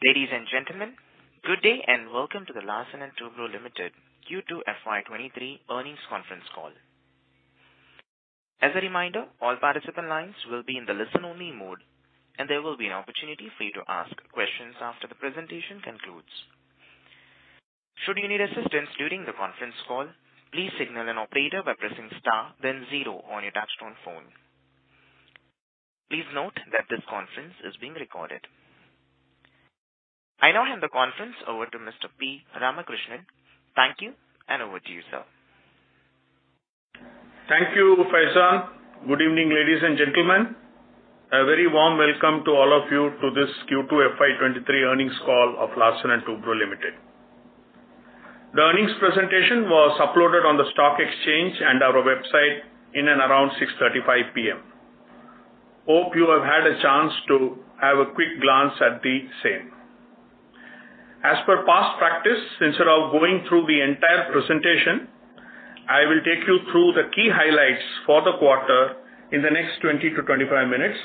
Ladies and gentlemen, good day and welcome to the Larsen & Toubro Limited Q2 FY 2023 earnings conference call. As a reminder, all participant lines will be in the listen-only mode, and there will be an opportunity for you to ask questions after the presentation concludes. Should you need assistance during the conference call, please signal an operator by pressing star, then zero on your touchtone phone. Please note that this conference is being recorded. I now hand the conference over to Mr. P. Ramakrishnan. Thank you, and over to you, sir. Thank you, Faizan. Good evening, ladies and gentlemen. A very warm welcome to all of you to this Q2 FY 2023 earnings call of Larsen & Toubro Limited. The earnings presentation was uploaded on the stock exchange and our website in and around 6:35 P.M. Hope you have had a chance to have a quick glance at the same. As per past practice, instead of going through the entire presentation, I will take you through the key highlights for the quarter in the next 20-25 minutes,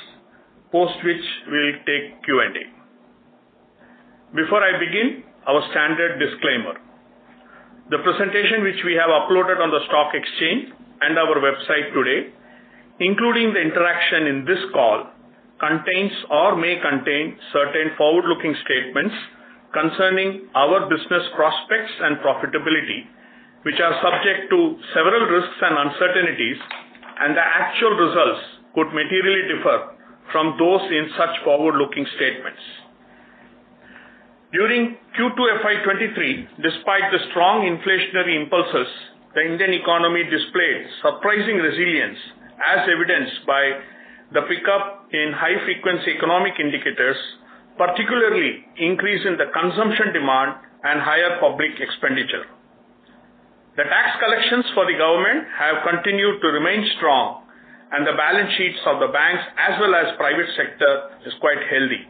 post which we'll take Q&A. Before I begin, our standard disclaimer. The presentation, which we have uploaded on the stock exchange and our website today, including the interaction in this call, contains or may contain certain forward-looking statements concerning our business prospects and profitability, which are subject to several risks and uncertainties, and the actual results could materially differ from those in such forward-looking statements. During Q2 FY 2023, despite the strong inflationary impulses, the Indian economy displayed surprising resilience, as evidenced by the pickup in high-frequency economic indicators, particularly increase in the consumption demand and higher public expenditure. The tax collections for the government have continued to remain strong, and the balance sheets of the banks as well as private sector is quite healthy.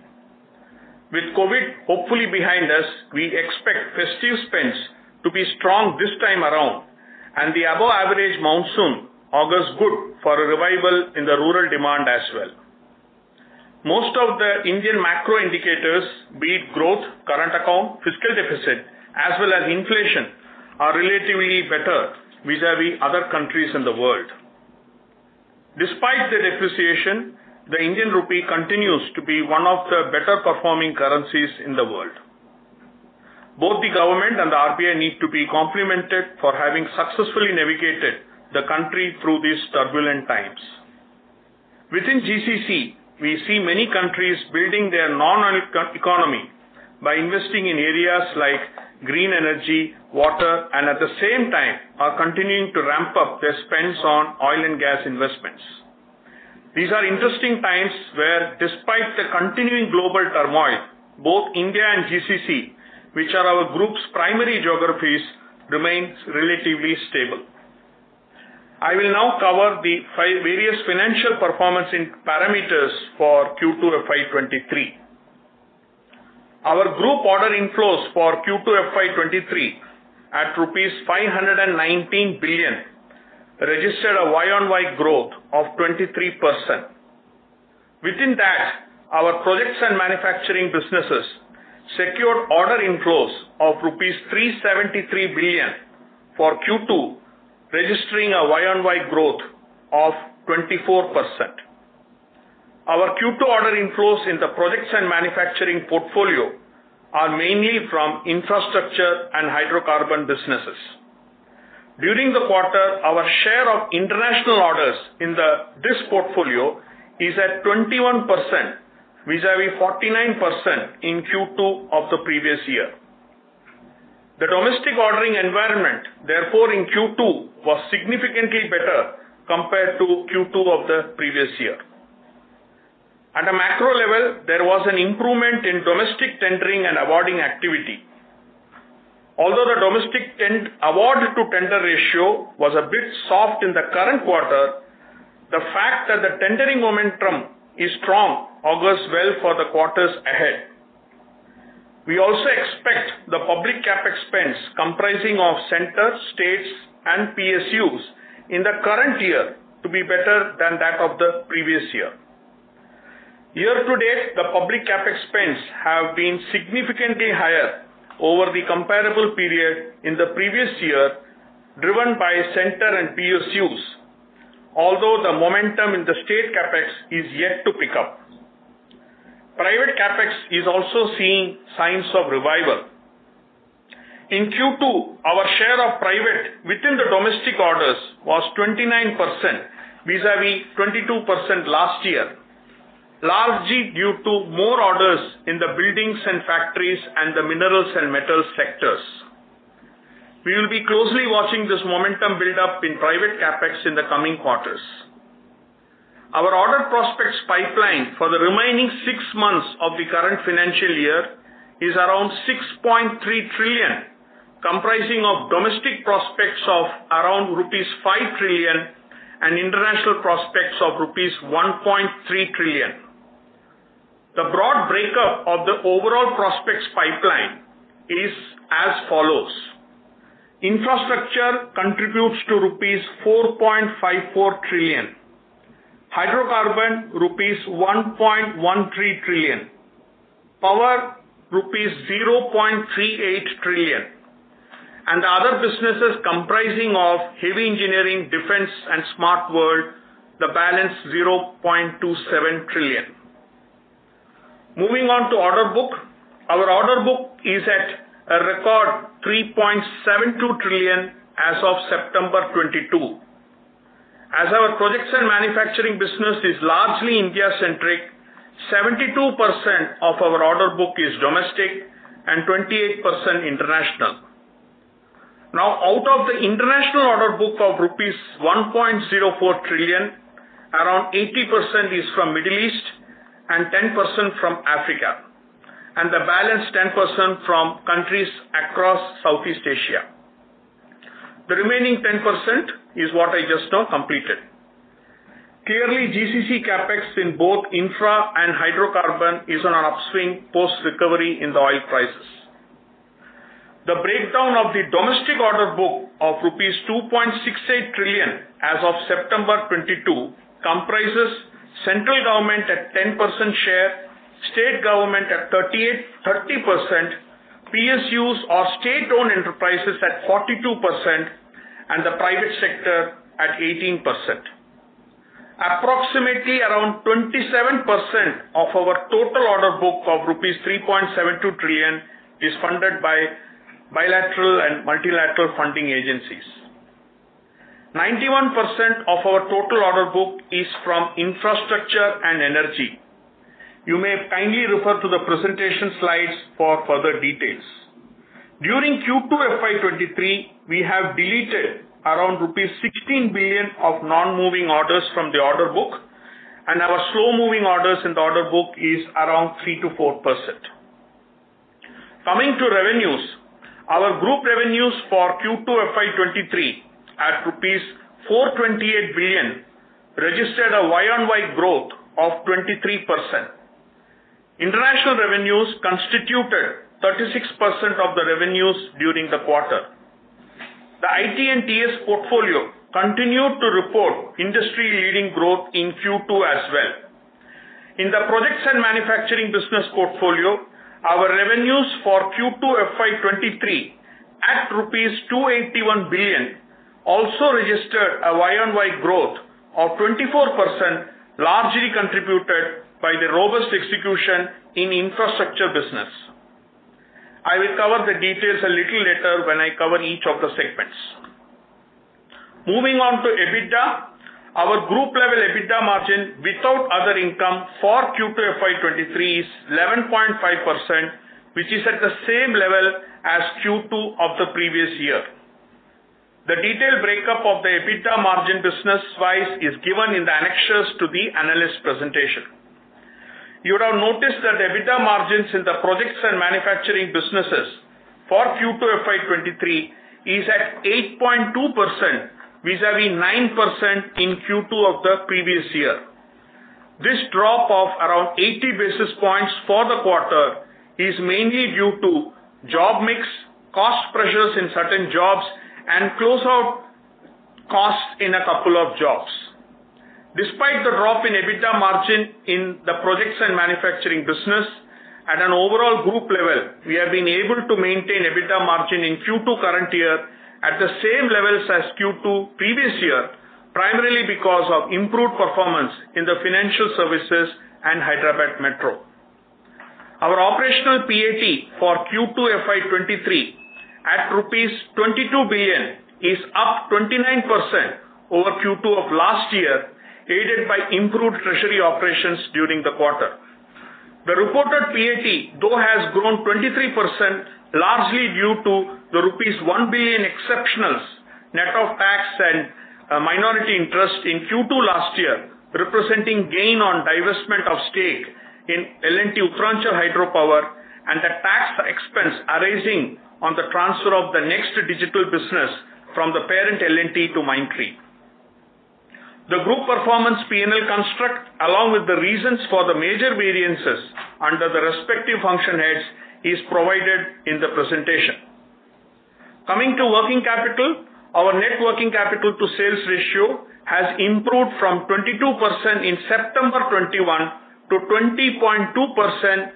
With COVID hopefully behind us, we expect festive spends to be strong this time around, and the above-average monsoon augurs good for a revival in the rural demand as well. Most of the Indian macro indicators, be it growth, current account, fiscal deficit, as well as inflation, are relatively better vis-à-vis other countries in the world. Despite the depreciation, the Indian rupee continues to be one of the better performing currencies in the world. Both the government and the RBI need to be complimented for having successfully navigated the country through these turbulent times. Within GCC, we see many countries building their non-oil economy by investing in areas like green energy, water, and at the same time are continuing to ramp up their spends on oil and gas investments. These are interesting times where despite the continuing global turmoil, both India and GCC, which are our group's primary geographies, remains relatively stable. I will now cover the various financial performance in parameters for Q2 FY 2023. Our group order inflows for Q2 FY 2023 at rupees 519 billion registered a year-over-year growth of 23%. Within that, our projects and manufacturing businesses secured order inflows of rupees 373 billion for Q2, registering a year-over-year growth of 24%. Our Q2 order inflows in the projects and manufacturing portfolio are mainly from infrastructure and hydrocarbon businesses. During the quarter, our share of international orders in this portfolio is at 21%, vis-à-vis 49% in Q2 of the previous year. The domestic ordering environment, therefore in Q2, was significantly better compared to Q2 of the previous year. At a macro level, there was an improvement in domestic tendering and awarding activity. Although the domestic award-to-tender ratio was a bit soft in the current quarter, the fact that the tendering momentum is strong augurs well for the quarters ahead. We also expect the public CapEx spends comprising of center, states, and PSUs in the current year to be better than that of the previous year. Year to date, the public CapEx spends have been significantly higher over the comparable period in the previous year, driven by center and PSUs, although the momentum in the state CapEx is yet to pick up. Private CapEx is also seeing signs of revival. In Q2, our share of private within the domestic orders was 29% vis-à-vis 22% last year, largely due to more orders in the buildings and factories and the minerals and metals sectors. We will be closely watching this momentum build up in private CapEx in the coming quarters. Our order prospects pipeline for the remaining six months of the current financial year is around 6.3 trillion, comprising of domestic prospects of around rupees 5 trillion and international prospects of rupees 1.3 trillion. The broad breakup of the overall prospects pipeline is as follows. Infrastructure contributes to rupees 4.54 trillion. Hydrocarbon rupees 1.13 trillion. Power rupees 0.38 trillion. Other businesses comprising of heavy engineering, defense, and smart world, the balance 0.27 trillion. Moving on to order book. Our order book is at a record 3.72 trillion as of September 2022. Our projects and manufacturing business is largely India-centric, 72% of our order book is domestic and 28% international. Now, out of the international order book of rupees 1.04 trillion, around 80% is from Middle East and 10% from Africa, and the balance 10% from countries across Southeast Asia. The remaining 10% is what I just now completed. Clearly, GCC CapEx in both infra and hydrocarbon is on an upswing post-recovery in the oil prices. The breakdown of the domestic order book of rupees 2.68 trillion as of September 2022 comprises central government at 10% share, state government at 30%, PSUs or state-owned enterprises at 42%, and the private sector at 18%. Approximately around 27% of our total order book of rupees 3.72 trillion is funded by bilateral and multilateral funding agencies. 91% of our total order book is from infrastructure and energy. You may kindly refer to the presentation slides for further details. During Q2 FY 2023, we have deleted around rupees 16 billion of non-moving orders from the order book, and our slow-moving orders in the order book is around 3%-4%. Coming to revenues, our group revenues for Q2 FY 2023 at 428 billion rupees registered a YoY growth of 23%. International revenues constituted 36% of the revenues during the quarter. The IT and TS portfolio continued to report industry-leading growth in Q2 as well. In the projects and manufacturing business portfolio, our revenues for Q2 FY 2023 at INR 281 billion also registered a YoY growth of 24%, largely contributed by the robust execution in infrastructure business. I will cover the details a little later when I cover each of the segments. Moving on to EBITDA. Our group level EBITDA margin without other income for Q2 FY 2023 is 11.5%, which is at the same level as Q2 of the previous year. The detailed breakup of the EBITDA margin business-wise is given in the annexures to the analyst presentation. You would have noticed that EBITDA margins in the projects and manufacturing businesses for Q2 FY 2023 is at 8.2% vis-a-vis 9% in Q2 of the previous year. This drop of around 80 basis points for the quarter is mainly due to job mix, cost pressures in certain jobs, and closeout costs in a couple of jobs. Despite the drop in EBITDA margin in the projects and manufacturing business, at an overall group level, we have been able to maintain EBITDA margin in Q2 current year at the same levels as Q2 previous year, primarily because of improved performance in the financial services and Hyderabad Metro. Our operational PAT for Q2 FY 2023 at INR 22 billion is up 29% over Q2 of last year, aided by improved treasury operations during the quarter. The reported PAT, though, has grown 23%, largely due to the rupees 1 billion exceptionals net of tax and minority interest in Q2 last year, representing gain on divestment of stake in L&T Uttaranchal Hydropower and the tax expense arising on the transfer of the NxT Digital business from the parent L&T to Mindtree. The group performance P&L construct, along with the reasons for the major variances under the respective function heads, is provided in the presentation. Coming to working capital, our net working capital to sales ratio has improved from 22% in September 2021 to 20.2%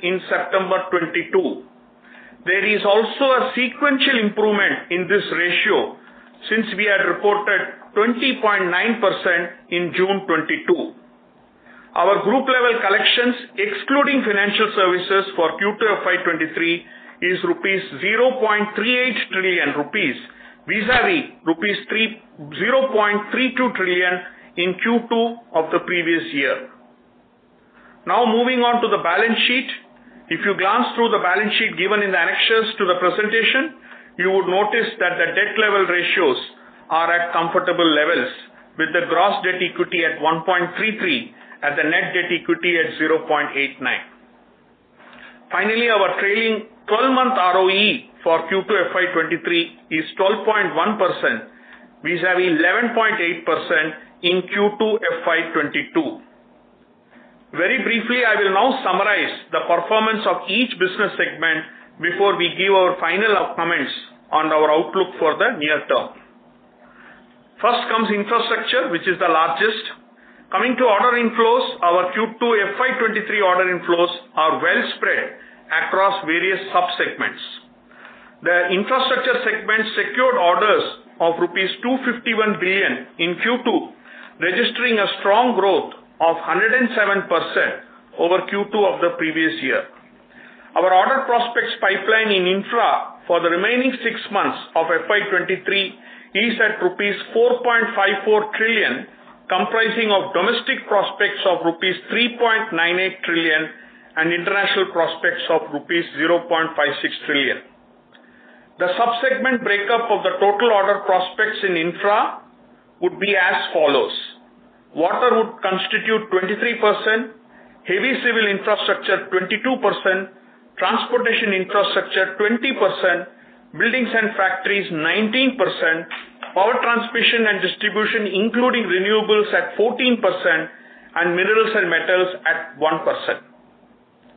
in September 2022. There is also a sequential improvement in this ratio since we had reported 20.9% in June 2022. Our group level collections, excluding financial services for Q2 FY 2023, is 0.38 trillion rupees vis-a-vis rupees 0.32 trillion in Q2 of the previous year. Now moving on to the balance sheet. If you glance through the balance sheet given in the annexures to the presentation, you would notice that the debt level ratios are at comfortable levels with the gross debt equity at 1.33 and the net debt equity at 0.89. Finally, our trailing twelve-month ROE for Q2 FY 2023 is 12.1% vis-a-vis 11.8% in Q2 FY 2022. Very briefly, I will now summarize the performance of each business segment before we give our final comments on our outlook for the near term. First comes infrastructure, which is the largest. Coming to order inflows, our Q2 FY 2023 order inflows are well spread across various subsegments. The infrastructure segment secured orders of rupees 251 billion in Q2, registering a strong growth of 107% over Q2 of the previous year. Our order prospects pipeline in infra for the remaining six months of FY 2023 is at rupees 4.54 trillion, comprising of domestic prospects of rupees 3.98 trillion and international prospects of rupees 0.56 trillion. The subsegment breakup of the total order prospects in infra would be as follows. Water would constitute 23%, heavy civil infrastructure, 22%, transportation infrastructure, 20%, buildings and factories, 19%, power transmission and distribution, including renewables at 14%, and minerals and metals at 1%.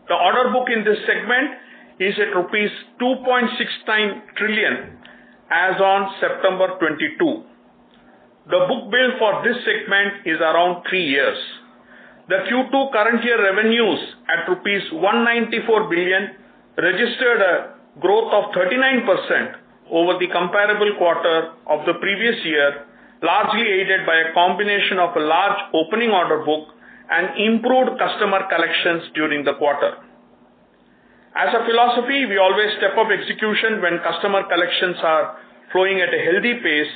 The order book in this segment is at rupees 2.69 trillion as on September 2022. The book build for this segment is around three years. The Q2 current year revenues at rupees 194 billion registered a growth of 39% over the comparable quarter of the previous year, largely aided by a combination of a large opening order book and improved customer collections during the quarter. As a philosophy, we always step up execution when customer collections are flowing at a healthy pace.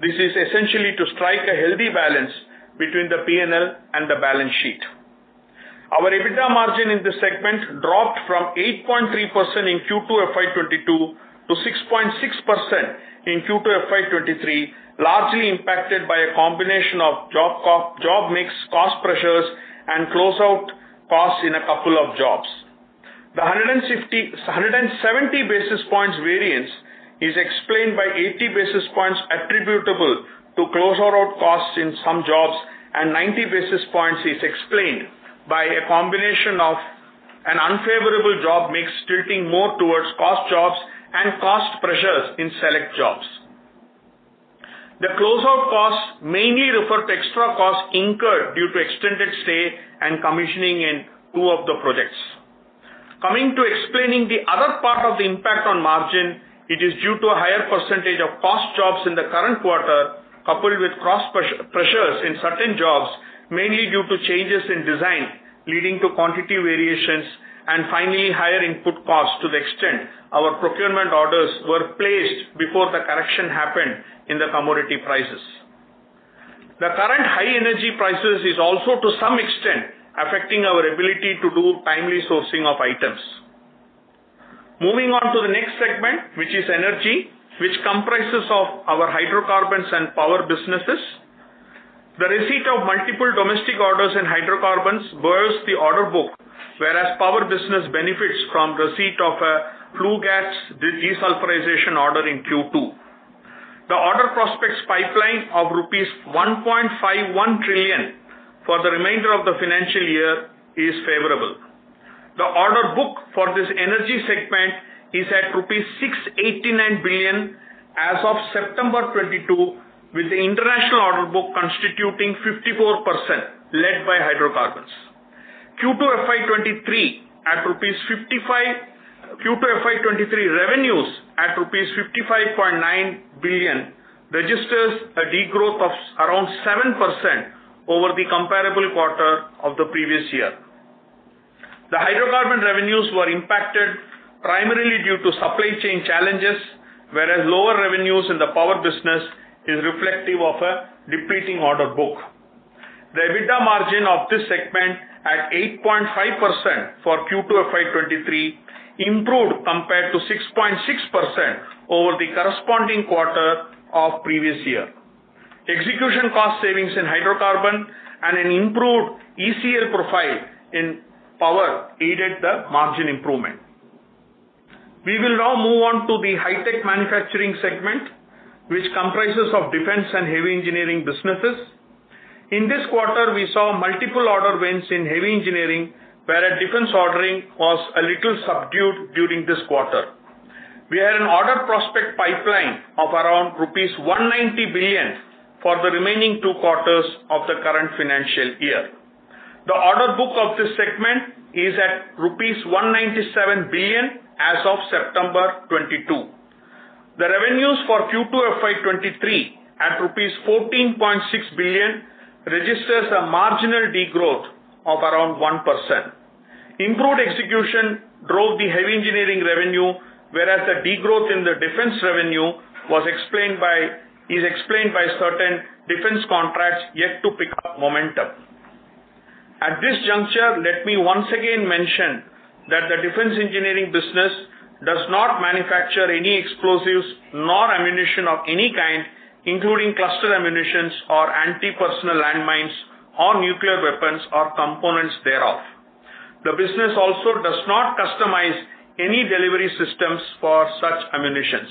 This is essentially to strike a healthy balance between the P&L and the balance sheet. Our EBITDA margin in this segment dropped from 8.3% in Q2 FY 2022 to 6.6% in Q2 FY 2023, largely impacted by a combination of job mix, cost pressures, and close out costs in a couple of jobs. The 150-170 basis points variance is explained by 80 basis points attributable to closure of costs in some jobs, and 90 basis points is explained by a combination of an unfavorable job mix tilting more towards cost jobs and cost pressures in select jobs. The close out costs mainly refer to extra costs incurred due to extended stay and commissioning in two of the projects. Coming to explaining the other part of the impact on margin, it is due to a higher percentage of cost jobs in the current quarter, coupled with cost pressures in certain jobs, mainly due to changes in design leading to quantity variations and finally higher input costs to the extent our procurement orders were placed before the correction happened in the commodity prices. The current high energy prices is also to some extent affecting our ability to do timely sourcing of items. Moving on to the next segment, which is energy, which comprises of our hydrocarbons and power businesses. The receipt of multiple domestic orders in hydrocarbons boosted the order book, whereas power business benefits from receipt of a flue gas desulfurization order in Q2. The order prospects pipeline of rupees 1.51 trillion for the remainder of the financial year is favorable. The order book for this energy segment is at rupees 689 billion as of September 2022, with the international order book constituting 54% led by hydrocarbons. Q2 FY 2023 at rupees 55. Q2 FY 2023 revenues at rupees 55.9 billion registers a degrowth of around 7% over the comparable quarter of the previous year. The hydrocarbon revenues were impacted primarily due to supply chain challenges, whereas lower revenues in the power business is reflective of a depleting order book. The EBITDA margin of this segment at 8.5% for Q2 FY 2023 improved compared to 6.6% over the corresponding quarter of previous year. Execution cost savings in hydrocarbon and an improved ECL profile in power aided the margin improvement. We will now move on to the high tech manufacturing segment, which comprises of defense and heavy engineering businesses. In this quarter, we saw multiple order wins in heavy engineering, whereas defense ordering was a little subdued during this quarter. We had an order prospect pipeline of around rupees 190 billion for the remaining two quarters of the current financial year. The order book of this segment is at rupees 197 billion as of September 2022. The revenues for Q2 FY 2023 at rupees 14.6 billion registers a marginal degrowth of around 1%. Improved execution drove the heavy engineering revenue, whereas the degrowth in the defense revenue is explained by certain defense contracts yet to pick up momentum. At this juncture, let me once again mention that the defense engineering business does not manufacture any explosives nor ammunition of any kind, including cluster munitions or anti-personnel landmines or nuclear weapons or components thereof. The business also does not customize any delivery systems for such munitions.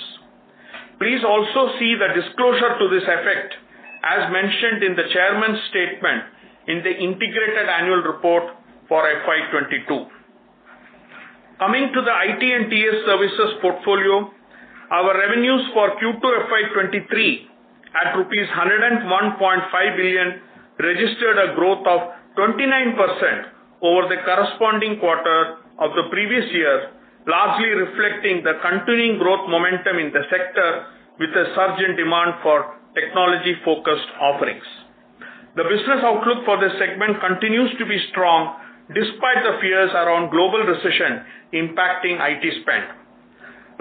Please also see the disclosure to this effect, as mentioned in the chairman's statement in the integrated annual report for FY 2022. Coming to the IT & TS services portfolio, our revenues for Q2 FY 2023 at rupees 101.5 billion registered a growth of 29% over the corresponding quarter of the previous year, largely reflecting the continuing growth momentum in the sector with a surge in demand for technology-focused offerings. The business outlook for this segment continues to be strong despite the fears around global recession impacting IT spend.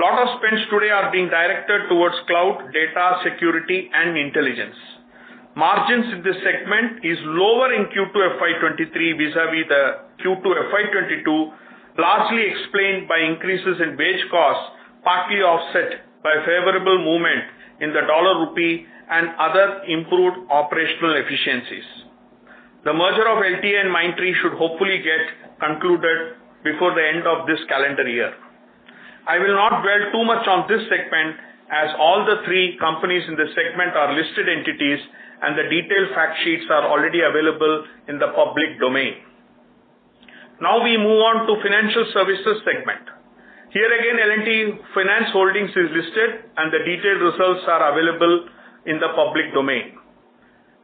Lot of spends today are being directed towards cloud, data security and intelligence. Margins in this segment is lower in Q2 FY 2023 vis-a-vis the Q2 FY 2022, largely explained by increases in wage costs, partly offset by favorable movement in the dollar rupee and other improved operational efficiencies. The merger of LTI and Mindtree should hopefully get concluded before the end of this calendar year. I will not dwell too much on this segment, as all the three companies in the segment are listed entities, and the detailed fact sheets are already available in the public domain. Now we move on to financial services segment. Here again, L&T Finance Holdings is listed, and the detailed results are available in the public domain.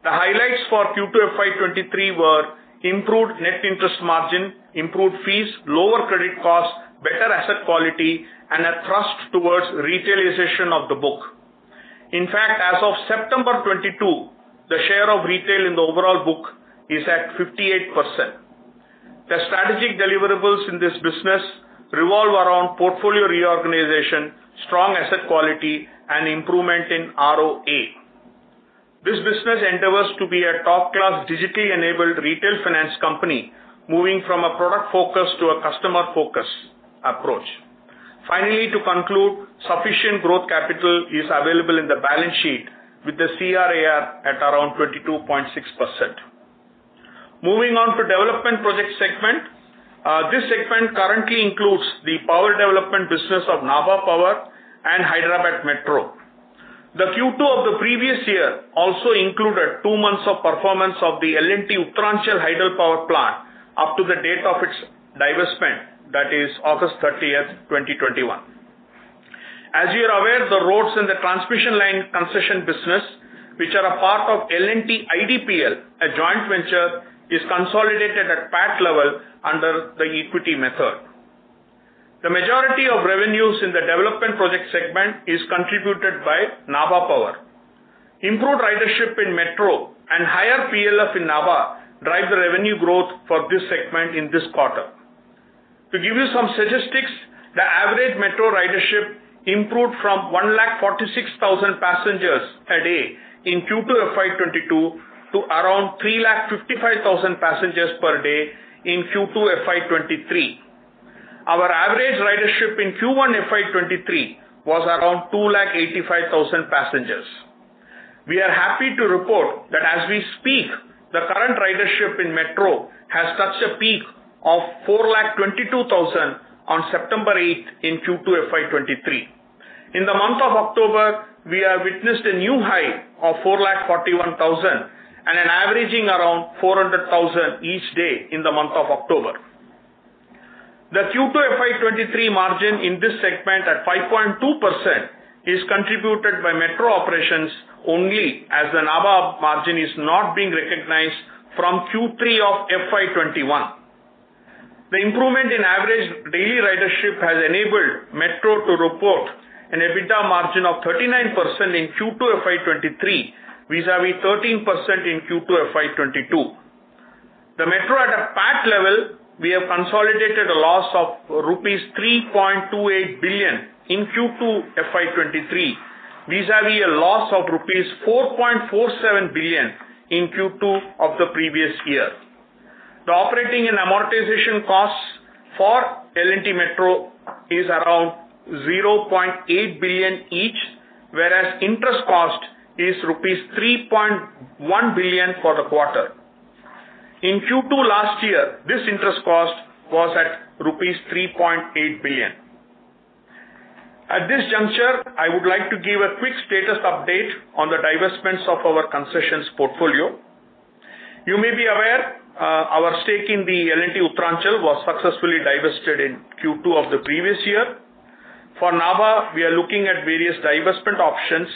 The highlights for Q2 FY 2023 were improved net interest margin, improved fees, lower credit costs, better asset quality and a thrust towards retailization of the book. In fact, as of September 2022, the share of retail in the overall book is at 58%. The strategic deliverables in this business revolve around portfolio reorganization, strong asset quality and improvement in ROA. This business endeavors to be a top-class digitally enabled retail finance company, moving from a product focus to a customer focus approach. Finally, to conclude, sufficient growth capital is available in the balance sheet with the CRAR at around 22.6%. Moving on to development project segment. This segment currently includes the power development business of Nabha Power and Hyderabad Metro. The Q2 of the previous year also included two months of performance of the L&T Uttaranchal Hydropower Plant up to the date of its divestment. That is August 30, 2021. As you are aware, the roads and the transmission line concession business, which are a part of L&T IDPL, a joint venture, is consolidated at PAT level under the equity method. The majority of revenues in the development project segment is contributed by Nabha Power. Improved ridership in Metro and higher PLF in Nabha drive the revenue growth for this segment in this quarter. To give you some statistics, the average Metro ridership improved from 146,000 passengers a day in Q2 FY 2022 to around 355,000 passengers per day in Q2 FY 2023. Our average ridership in Q1 FY 2023 was around 285,000 passengers. We are happy to report that as we speak, the current ridership in Metro has touched a peak of 422,000 on September 8 in Q2 FY 2023. In the month of October, we have witnessed a new high of 441,000 and an averaging around 400,000 each day in the month of October. The Q2 FY 2023 margin in this segment at 5.2% is contributed by Metro operations only as the Nabha margin is not being recognized from Q3 of FY 2021. The improvement in average daily ridership has enabled Metro to report an EBITDA margin of 39% in Q2 FY 2023 vis-a-vis 13% in Q2 FY 2022. The Metro at a PAT level, we have consolidated a loss of rupees 3.28 billion in Q2 FY 2023 vis-a-vis a loss of rupees 4.47 billion in Q2 of the previous year. The operating and amortization costs for L&T Metro is around 0.8 billion each, whereas interest cost is rupees 3.1 billion for the quarter. In Q2 last year, this interest cost was at rupees 3.8 billion. At this juncture, I would like to give a quick status update on the divestments of our concessions portfolio. You may be aware, our stake in the L&T Uttaranchal Hydropower was successfully divested in Q2 of the previous year. For Nabha, we are looking at various divestment options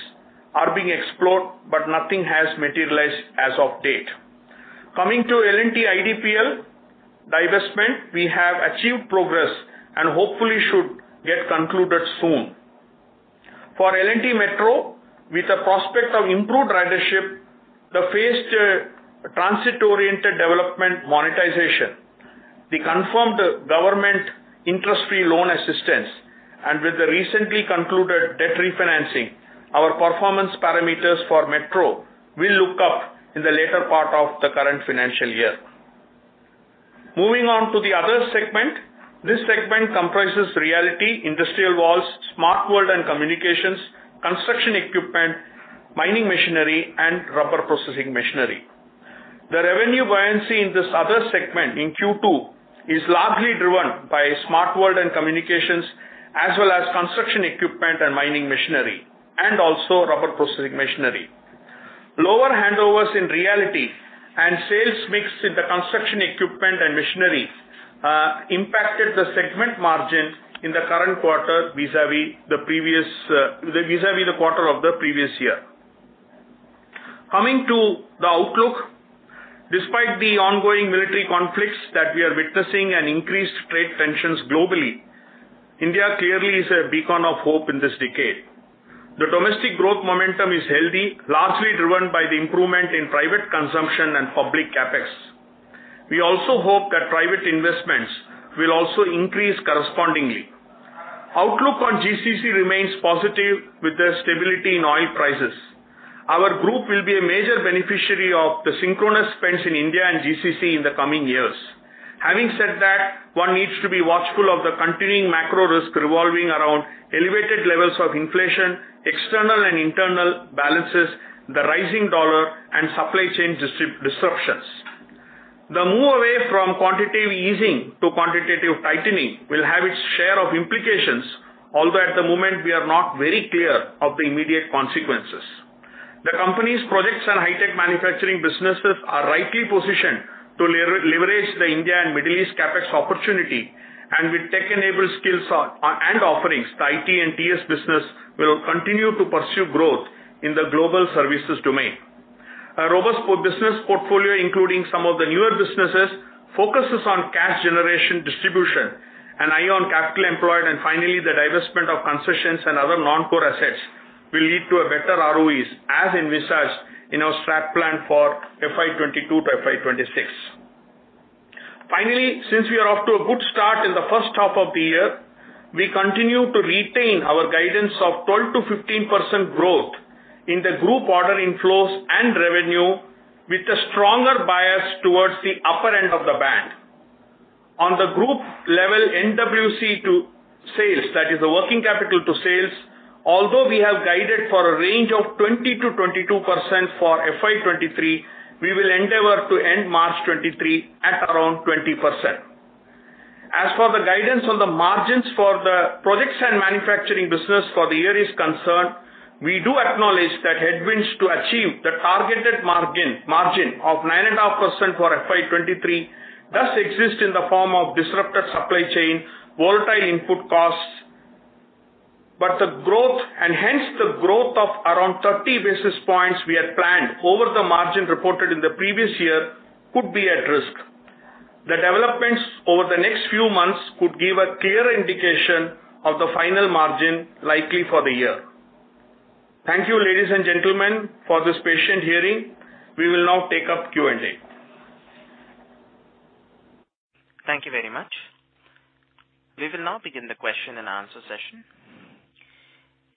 are being explored, but nothing has materialized as of date. Coming to L&T IDPL divestment, we have achieved progress and hopefully should get concluded soon. For L&T Metro, with the prospect of improved ridership, the phased transit-oriented development monetization, the confirmed government interest-free loan assistance and with the recently concluded debt refinancing, our performance parameters for Metro will look up in the later part of the current financial year. Moving on to the other segment. This segment comprises realty, industrial valves, smart world and communications, construction equipment, mining machinery and rubber processing machinery. The revenue buoyancy in this other segment in Q2 is largely driven by smart world and communications, as well as construction equipment and mining machinery and also rubber processing machinery. Lower handovers in realty and sales mix in the construction equipment and machinery impacted the segment margin in the current quarter vis-à-vis the quarter of the previous year. Coming to the outlook. Despite the ongoing military conflicts that we are witnessing and increased trade tensions globally, India clearly is a beacon of hope in this decade. The domestic growth momentum is healthy, largely driven by the improvement in private consumption and public CapEx. We also hope that private investments will also increase correspondingly. Outlook on GCC remains positive with the stability in oil prices. Our group will be a major beneficiary of the synchronous spends in India and GCC in the coming years. Having said that, one needs to be watchful of the continuing macro risk revolving around elevated levels of inflation, external and internal balances, the rising dollar and supply chain disruptions. The move away from quantitative easing to quantitative tightening will have its share of implications. Although at the moment we are not very clear of the immediate consequences. The company's projects and high-tech manufacturing businesses are rightly positioned to leverage the India and Middle East CapEx opportunity. With tech-enabled skills and offerings, the IT & TS business will continue to pursue growth in the global services domain. A robust port business portfolio, including some of the newer businesses, focuses on cash generation distribution, an eye on capital employed, and finally, the divestment of concessions and other non-core assets will lead to a better ROEs, as envisaged in our strategic plan for FY 2022 to FY 2026. Finally, since we are off to a good start in the first half of the year, we continue to retain our guidance of 12%-15% growth in the group order inflows and revenue with a stronger bias towards the upper end of the band. On the group level, NWC to sales, that is the working capital to sales, although we have guided for a range of 20%-22% for FY 2023, we will endeavor to end March 2023 at around 20%. As for the guidance on the margins for the projects and manufacturing business for the year is concerned, we do acknowledge that headwinds to achieve the targeted margin of 9.5% for FY 2023 does exist in the form of disrupted supply chain, volatile input costs. The growth and hence the growth of around 30 basis points we had planned over the margin reported in the previous year could be at risk. The developments over the next few months could give a clear indication of the final margin likely for the year. Thank you, ladies and gentlemen, for this patient hearing. We will now take up Q&A. Thank you very much. We will now begin the question and answer session.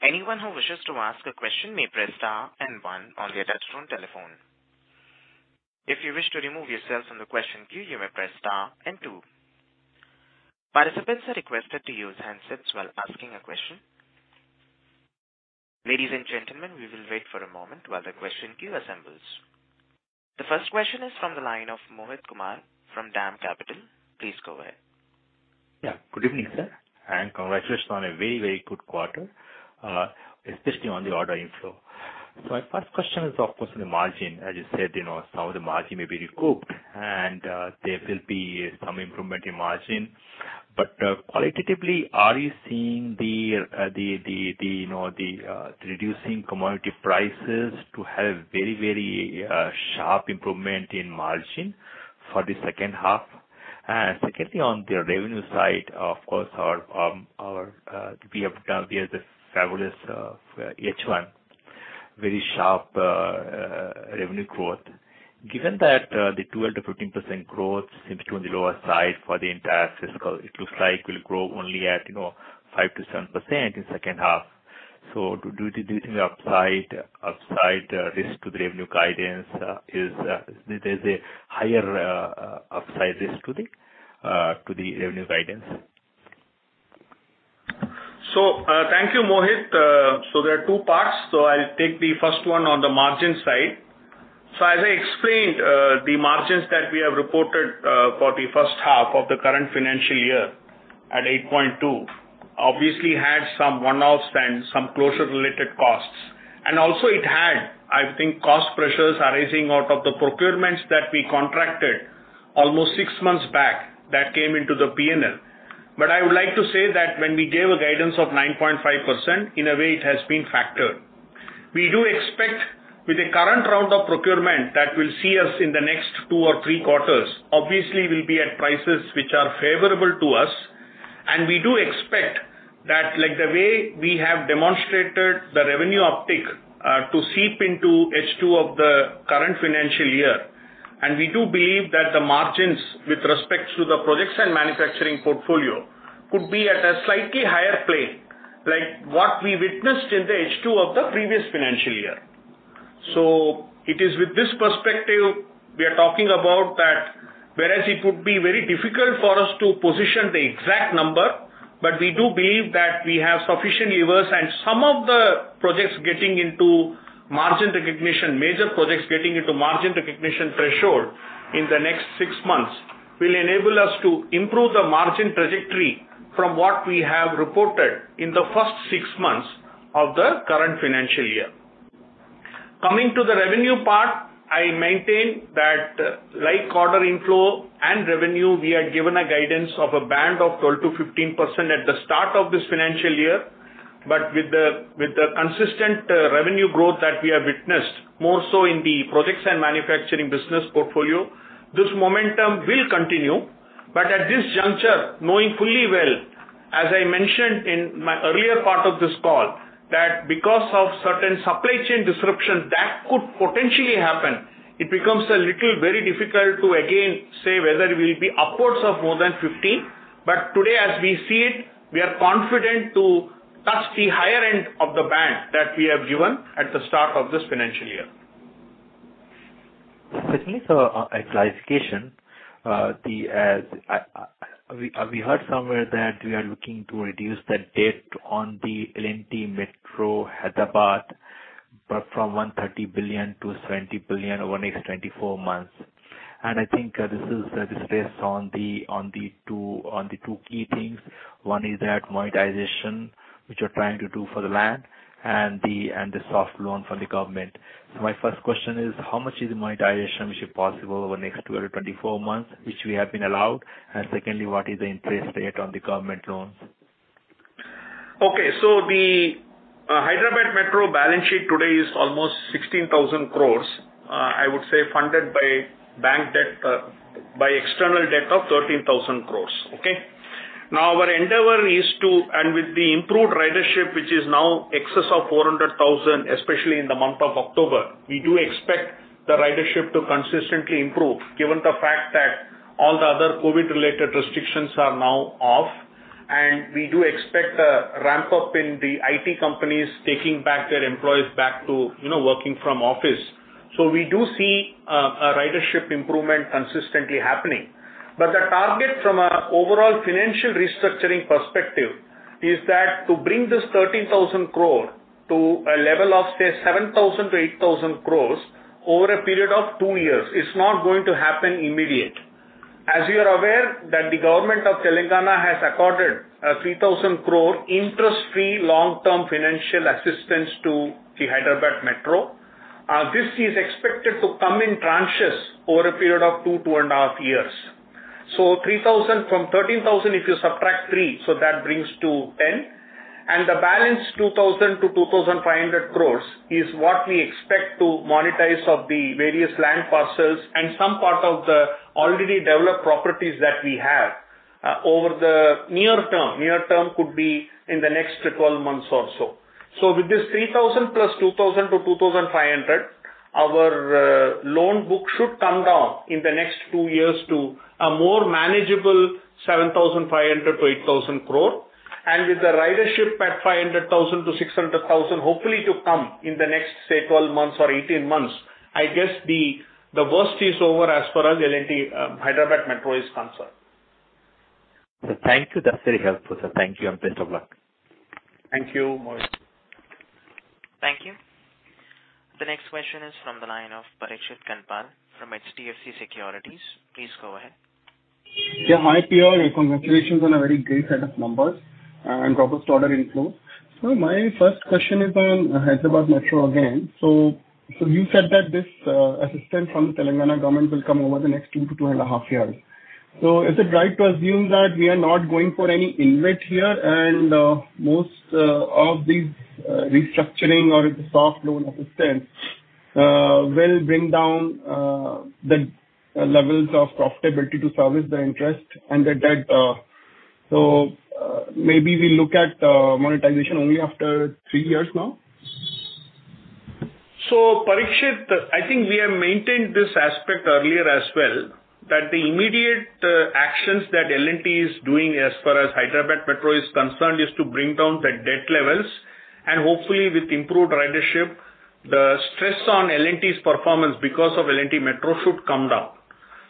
Anyone who wishes to ask a question may press star and one on their touchtone telephone. If you wish to remove yourself from the question queue, you may press star and two. Participants are requested to use handsets while asking a question. Ladies and gentlemen, we will wait for a moment while the question queue assembles. The first question is from the line of Mohit Kumar from DAM Capital. Please go ahead. Yeah. Good evening, sir, and congratulations on a very, very good quarter, especially on the order inflow. My first question is, of course, on the margin. As you said, you know, some of the margin may be recouped and there will be some improvement in margin. Qualitatively, are you seeing the reducing commodity prices to have very, very sharp improvement in margin for the second half? And secondly, on the revenue side, of course, we have this fabulous H1, very sharp revenue growth. Given that, the 12%-15% growth seems to be on the lower side for the entire fiscal. It looks like we'll grow only at, you know, 5%-7% in second half. Do you think there's a higher upside risk to the revenue guidance? Thank you, Mohit. There are two parts. I'll take the first one on the margin side. As I explained, the margins that we have reported for the first half of the current financial year at 8.2% obviously had some one-offs and some closure-related costs. It also had, I think, cost pressures arising out of the procurements that we contracted almost six months back that came into the P&L. I would like to say that when we gave a guidance of 9.5%, in a way it has been factored. We do expect with the current round of procurement that will see us in the next two or three quarters obviously will be at prices which are favorable to us. We do expect that like the way we have demonstrated the revenue uptick to seep into H2 of the current financial year, and we do believe that the margins with respect to the projects and manufacturing portfolio could be at a slightly higher plane, like what we witnessed in the H2 of the previous financial year. It is with this perspective we are talking about that, whereas it would be very difficult for us to position the exact number, but we do believe that we have sufficient levers and some of the projects getting into margin recognition, major projects getting into margin recognition threshold in the next six months, will enable us to improve the margin trajectory from what we have reported in the first six months of the current financial year. Coming to the revenue part, I maintain that like order inflow and revenue, we had given a guidance of a band of 12%-15% at the start of this financial year. With the consistent revenue growth that we have witnessed, more so in the projects and manufacturing business portfolio, this momentum will continue. At this juncture, knowing fully well, as I mentioned in my earlier part of this call, that because of certain supply chain disruption that could potentially happen, it becomes a little very difficult to again say whether it will be upwards of more than 15%. Today as we see it, we are confident to touch the higher end of the band that we have given at the start of this financial year. Certainly. A clarification, we heard somewhere that we are looking to reduce the debt on the L&T Metro Hyderabad, but from 130 billion-20 billion over the next 24 months. I think this is based on the two key things. One is that monetization, which you're trying to do for the land and the soft loan from the government. My first question is how much is the monetization which is possible over the next 12-24 months, which we have been allowed? Secondly, what is the interest rate on the government loans? Okay. The Hyderabad Metro balance sheet today is almost 16,000 crore, I would say funded by bank debt, by external debt of 13,000 crore. Okay? Now, our endeavor is to, with the improved ridership, which is now in excess of 400,000, especially in the month of October, we do expect the ridership to consistently improve given the fact that all the other COVID-related restrictions are now off. We do expect a ramp up in the IT companies taking back their employees back to, you know, working from office. We do see a ridership improvement consistently happening. The target from an overall financial restructuring perspective is that to bring this 13,000 crore to a level of, say, 7,000-8,000 crore over a period of two years, it's not going to happen immediately. As you are aware that the Government of Telangana has accorded a 3,000 crore interest-free long-term financial assistance to the Hyderabad Metro. This is expected to come in tranches over a period of two and a half years. Three thousand from thirteen thousand, if you subtract three, that brings to ten. The balance 2,000-2,500 crore is what we expect to monetize of the various land parcels and some part of the already developed properties that we have over the near term. Near term could be in the next 12 months or so. With this 3,000 plus 2,000-2,500, our loan book should come down in the next two years to a more manageable 7,500-8,000 crore. With the ridership at 500,000-600,000, hopefully to come in the next, say, 12 months or 18 months, I guess the worst is over as far as L&T Hyderabad Metro is concerned. Thank you. That's very helpful, sir. Thank you and best of luck. Thank you, Mohit. Thank you. The next question is from the line of Parikshit Kandpal from HDFC Securities. Please go ahead. Yeah. Hi, P.R. Congratulations on a very great set of numbers and robust order inflow. My first question is on Hyderabad Metro again. You said that this assistance from the Telangana government will come over the next two to two point five years. Is it right to assume that we are not going for any InvIT here and most of these restructuring or the soft loan assistance will bring down the levels of profitability to service the interest and the debt? Maybe we look at monetization only after 3 years now. Parikshit, I think we have maintained this aspect earlier as well, that the immediate actions that L&T is doing as far as Hyderabad Metro is concerned, is to bring down the debt levels and hopefully with improved ridership, the stress on L&T's performance because of L&T Metro should come down.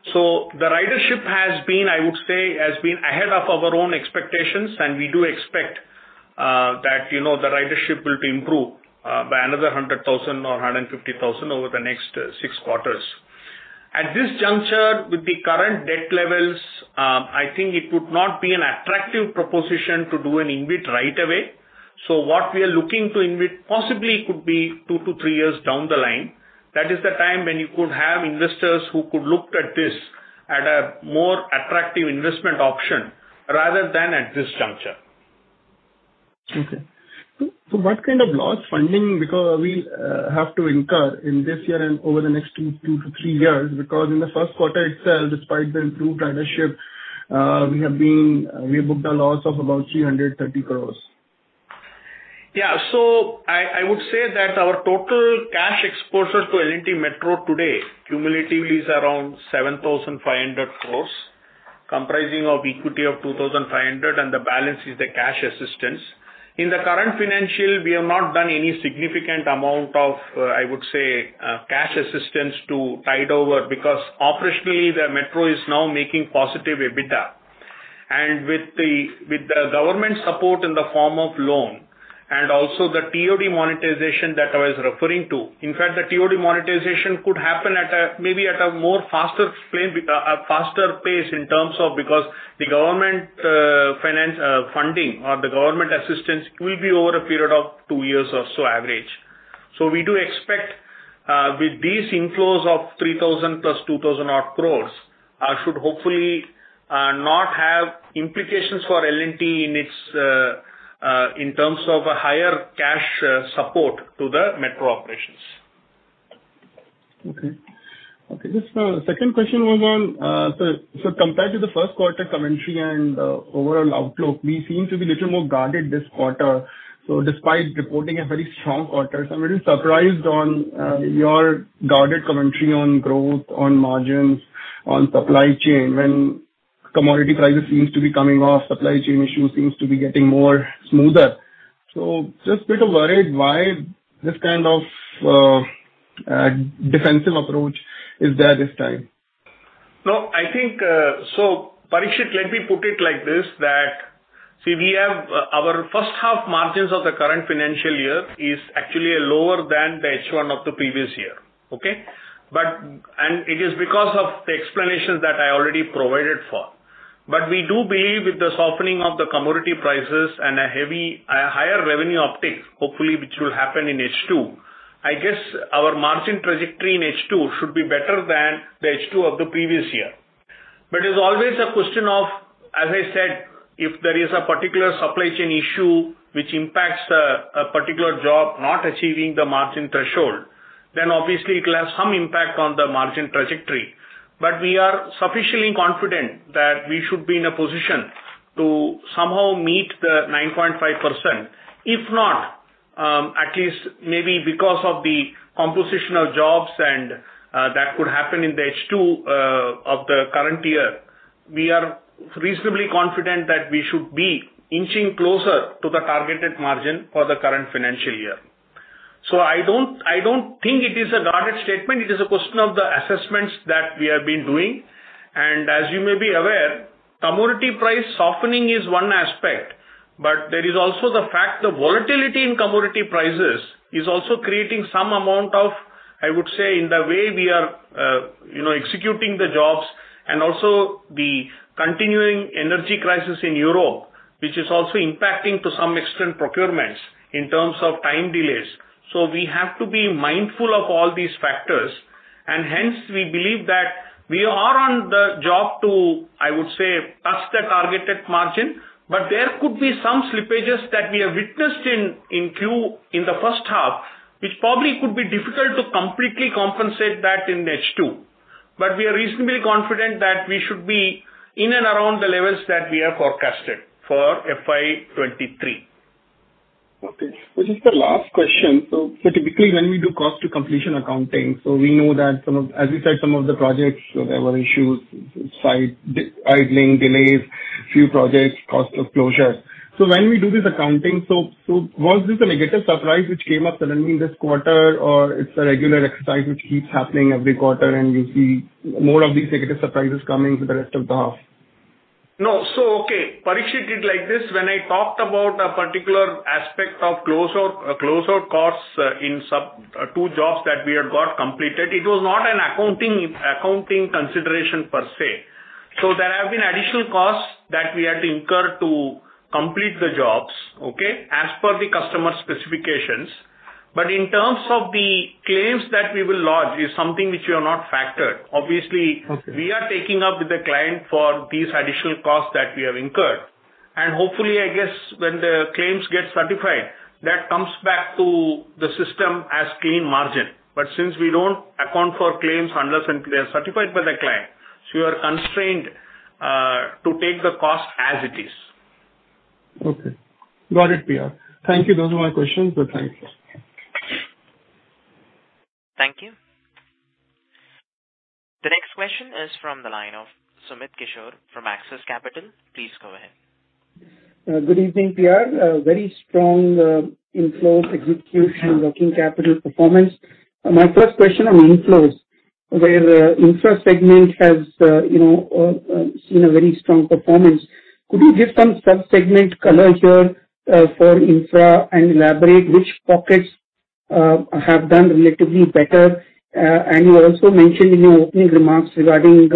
The ridership has been, I would say, ahead of our own expectations, and we do expect that you know, the ridership will improve by another 100,000 or 150,000 over the next 6 quarters. At this juncture, with the current debt levels, I think it would not be an attractive proposition to do an InvIT right away. What we are looking to InvIT possibly could be two-three years down the line. That is the time when you could have investors who could look at this at a more attractive investment option rather than at this juncture. Okay. What kind of loss funding because we have to incur in this year and over the next two to three years, because in the first quarter itself, despite the improved ridership, we booked a loss of about 330 crores. Yeah. I would say that our total cash exposure to L&T Metro today cumulatively is around 7,500 crores, comprising of equity of 2,500, and the balance is the cash assistance. In the current financial, we have not done any significant amount of cash assistance to tide over, because operationally, the metro is now making positive EBITDA. With the government support in the form of loan and also the TOD monetization that I was referring to. In fact, the TOD monetization could happen at a faster pace in terms of because the government financing or funding or the government assistance will be over a period of two years or so average. We do expect with these inflows of 3,000 +, 2,000-odd crore should hopefully not have implications for L&T in terms of a higher cash support to the metro operations. Okay. Just, second question was on, so compared to the first quarter commentary and, overall outlook, we seem to be little more guarded this quarter. Despite reporting a very strong quarter, I'm a little surprised on your guarded commentary on growth, on margins, on supply chain, when commodity prices seems to be coming off, supply chain issue seems to be getting more smoother. Just bit of worried why this kind of defensive approach is there this time. No, I think, Parikshit, let me put it like this, see, we have our first half margins of the current financial year is actually lower than the H1 of the previous year. Okay? It is because of the explanations that I already provided for. We do believe with the softening of the commodity prices and a higher revenue uptick, hopefully, which will happen in H2, I guess our margin trajectory in H2 should be better than the H2 of the previous year. It's always a question of, as I said, if there is a particular supply chain issue which impacts a particular job not achieving the margin threshold, then obviously it will have some impact on the margin trajectory. We are sufficiently confident that we should be in a position to somehow meet the 9.5%. If not, at least maybe because of the composition of jobs and that could happen in the H2 of the current year, we are reasonably confident that we should be inching closer to the targeted margin for the current financial year. I don't think it is a guarded statement. It is a question of the assessments that we have been doing. As you may be aware, commodity price softening is one aspect, but there is also the fact the volatility in commodity prices is also creating some amount of, I would say, in the way we are you know, executing the jobs and also the continuing energy crisis in Europe, which is also impacting to some extent procurements in terms of time delays. We have to be mindful of all these factors, and hence we believe that we are on the job to, I would say, touch the targeted margin. There could be some slippages that we have witnessed in Q in the first half, which probably could be difficult to completely compensate that in H2. We are reasonably confident that we should be in and around the levels that we have forecasted for FY 2023. Okay. This is the last question. Typically when we do cost to completion accounting, we know that some of, as you said, some of the projects there were issues, site idling, delays, few projects, cost of closure. When we do this accounting, was this a negative surprise which came up suddenly this quarter or it's a regular exercise which keeps happening every quarter and we see more of these negative surprises coming for the rest of the half? No. Okay, Parikshit, it's like this. When I talked about a particular aspect of closure costs in two jobs that we have got completed, it was not an accounting consideration per se. There have been additional costs that we had to incur to complete the jobs as per the customer specifications. In terms of the claims that we will lodge, it is something which we have not factored. Okay. We are taking up with the client for these additional costs that we have incurred. Hopefully, I guess when the claims get certified, that comes back to the system as clean margin. Since we don't account for claims unless until they are certified by the client, so you are unconstrained to take the cost as it is. Okay. Got it, P.R. Thank you. Those were my questions. Thank you. Thank you. The next question is from the line of Sumit Kishore from Axis Capital. Please go ahead. Good evening, P.R. Very strong inflow execution working capital performance. My first question on inflows, where infra segment has you know seen a very strong performance. Could you give some sub-segment color here for infra and elaborate which pockets have done relatively better? You also mentioned in your opening remarks regarding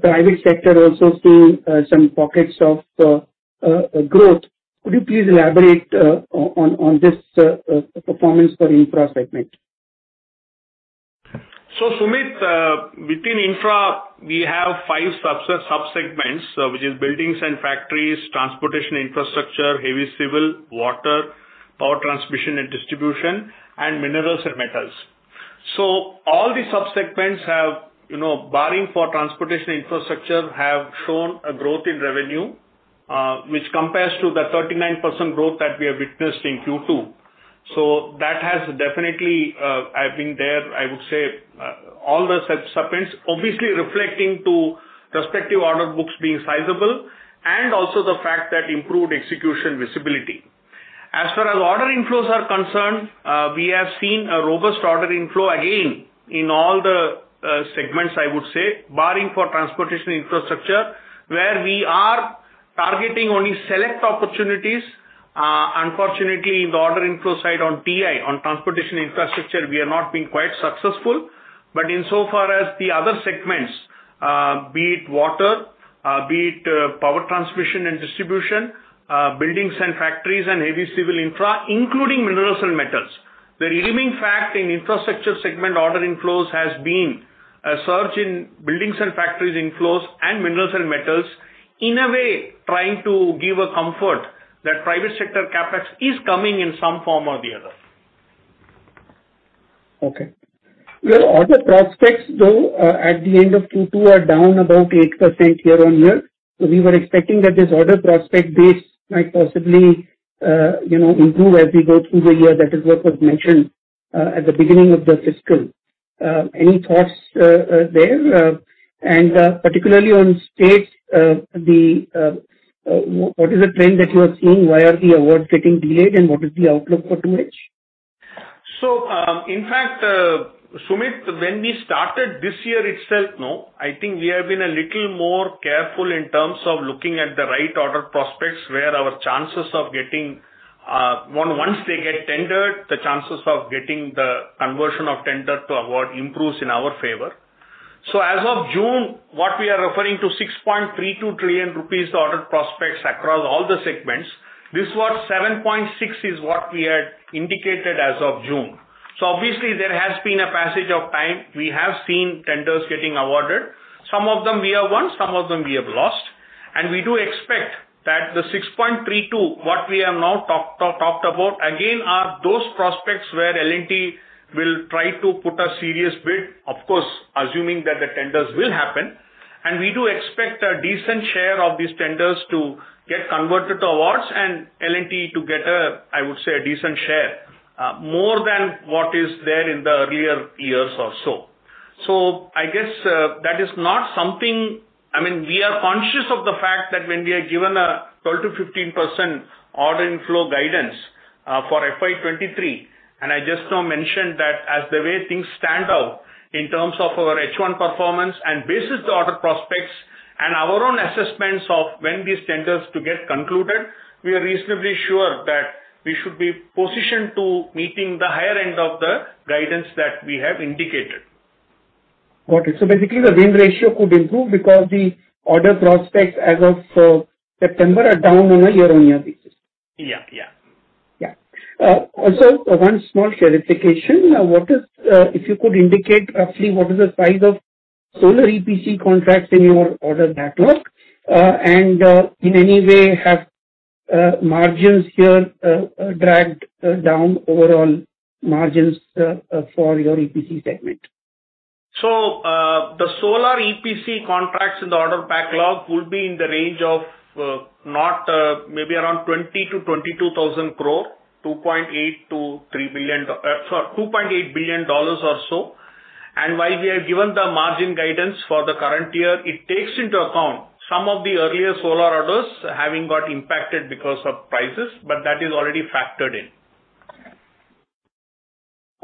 private sector also seeing some pockets of growth. Could you please elaborate on this performance for infra segment? Sumit, within infra, we have five sub-segments, which is buildings and factories, transportation infrastructure, heavy civil, water, power transmission and distribution, and minerals and metals. All the sub-segments have, you know, barring for transportation infrastructure, have shown a growth in revenue, which compares to the 39% growth that we have witnessed in Q2. That has definitely, I've been there, I would say, all the sub-segments obviously reflecting the respective order books being sizable and also the fact that improved execution visibility. As far as order inflows are concerned, we have seen a robust order inflow again in all the segments I would say barring for transportation infrastructure, where we are targeting only select opportunities. Unfortunately in the order inflow side on TI, on transportation infrastructure, we are not being quite successful. In so far as the other segments, be it water, be it power transmission and distribution, buildings and factories and heavy civil infra, including minerals and metals. The redeeming fact in infrastructure segment order inflows has been a surge in buildings and factories inflows and minerals and metals in a way trying to give a comfort that private sector CapEx is coming in some form or the other. Okay. Your order prospects though, at the end of Q2 are down about 8% year-on-year. We were expecting that this order prospect base might possibly, you know, improve as we go through the year. That is what was mentioned, at the beginning of the fiscal. Any thoughts, there? And particularly on states, what is the trend that you are seeing? Why are the awards getting delayed, and what is the outlook for 2H? In fact, Sumit, when we started this year, I think we have been a little more careful in terms of looking at the right order prospects, where our chances of getting, once they get tendered, the chances of getting the conversion of tender to award improves in our favor. As of June, what we are referring to 6.32 trillion rupees the order prospects across all the segments. This was 7.6 trillion is what we had indicated as of June. Obviously there has been a passage of time. We have seen tenders getting awarded. Some of them we have won, some of them we have lost. We do expect that the 6.32, what we have now talked about again are those prospects where L&T will try to put a serious bid, of course, assuming that the tenders will happen. We do expect a decent share of these tenders to get converted to awards and L&T to get a, I would say, a decent share, more than what is there in the earlier years or so. I guess that is not something. I mean, we are conscious of the fact that when we are given a 12%-15% order inflow guidance for FY 2023, and I just now mentioned that as the way things stand out in terms of our H1 performance and on the basis of the order prospects and our own assessments of when these tenders get concluded, we are reasonably sure that we should be positioned to meeting the higher end of the guidance that we have indicated. Okay. Basically the win ratio could improve because the order prospects as of September are down on a year-on-year basis. Yeah. Yeah. Yeah. Also one small clarification. If you could indicate roughly what is the size of solar EPC contracts in your order backlog? In any way have margins here dragged down overall margins for your EPC segment? The solar EPC contracts in the order backlog will be in the range of, maybe around 20,000 crore-22,000 crore, $2.8-$3 billion, sorry, $2.8 billion or so. While we have given the margin guidance for the current year, it takes into account some of the earlier solar orders having got impacted because of prices, but that is already factored in.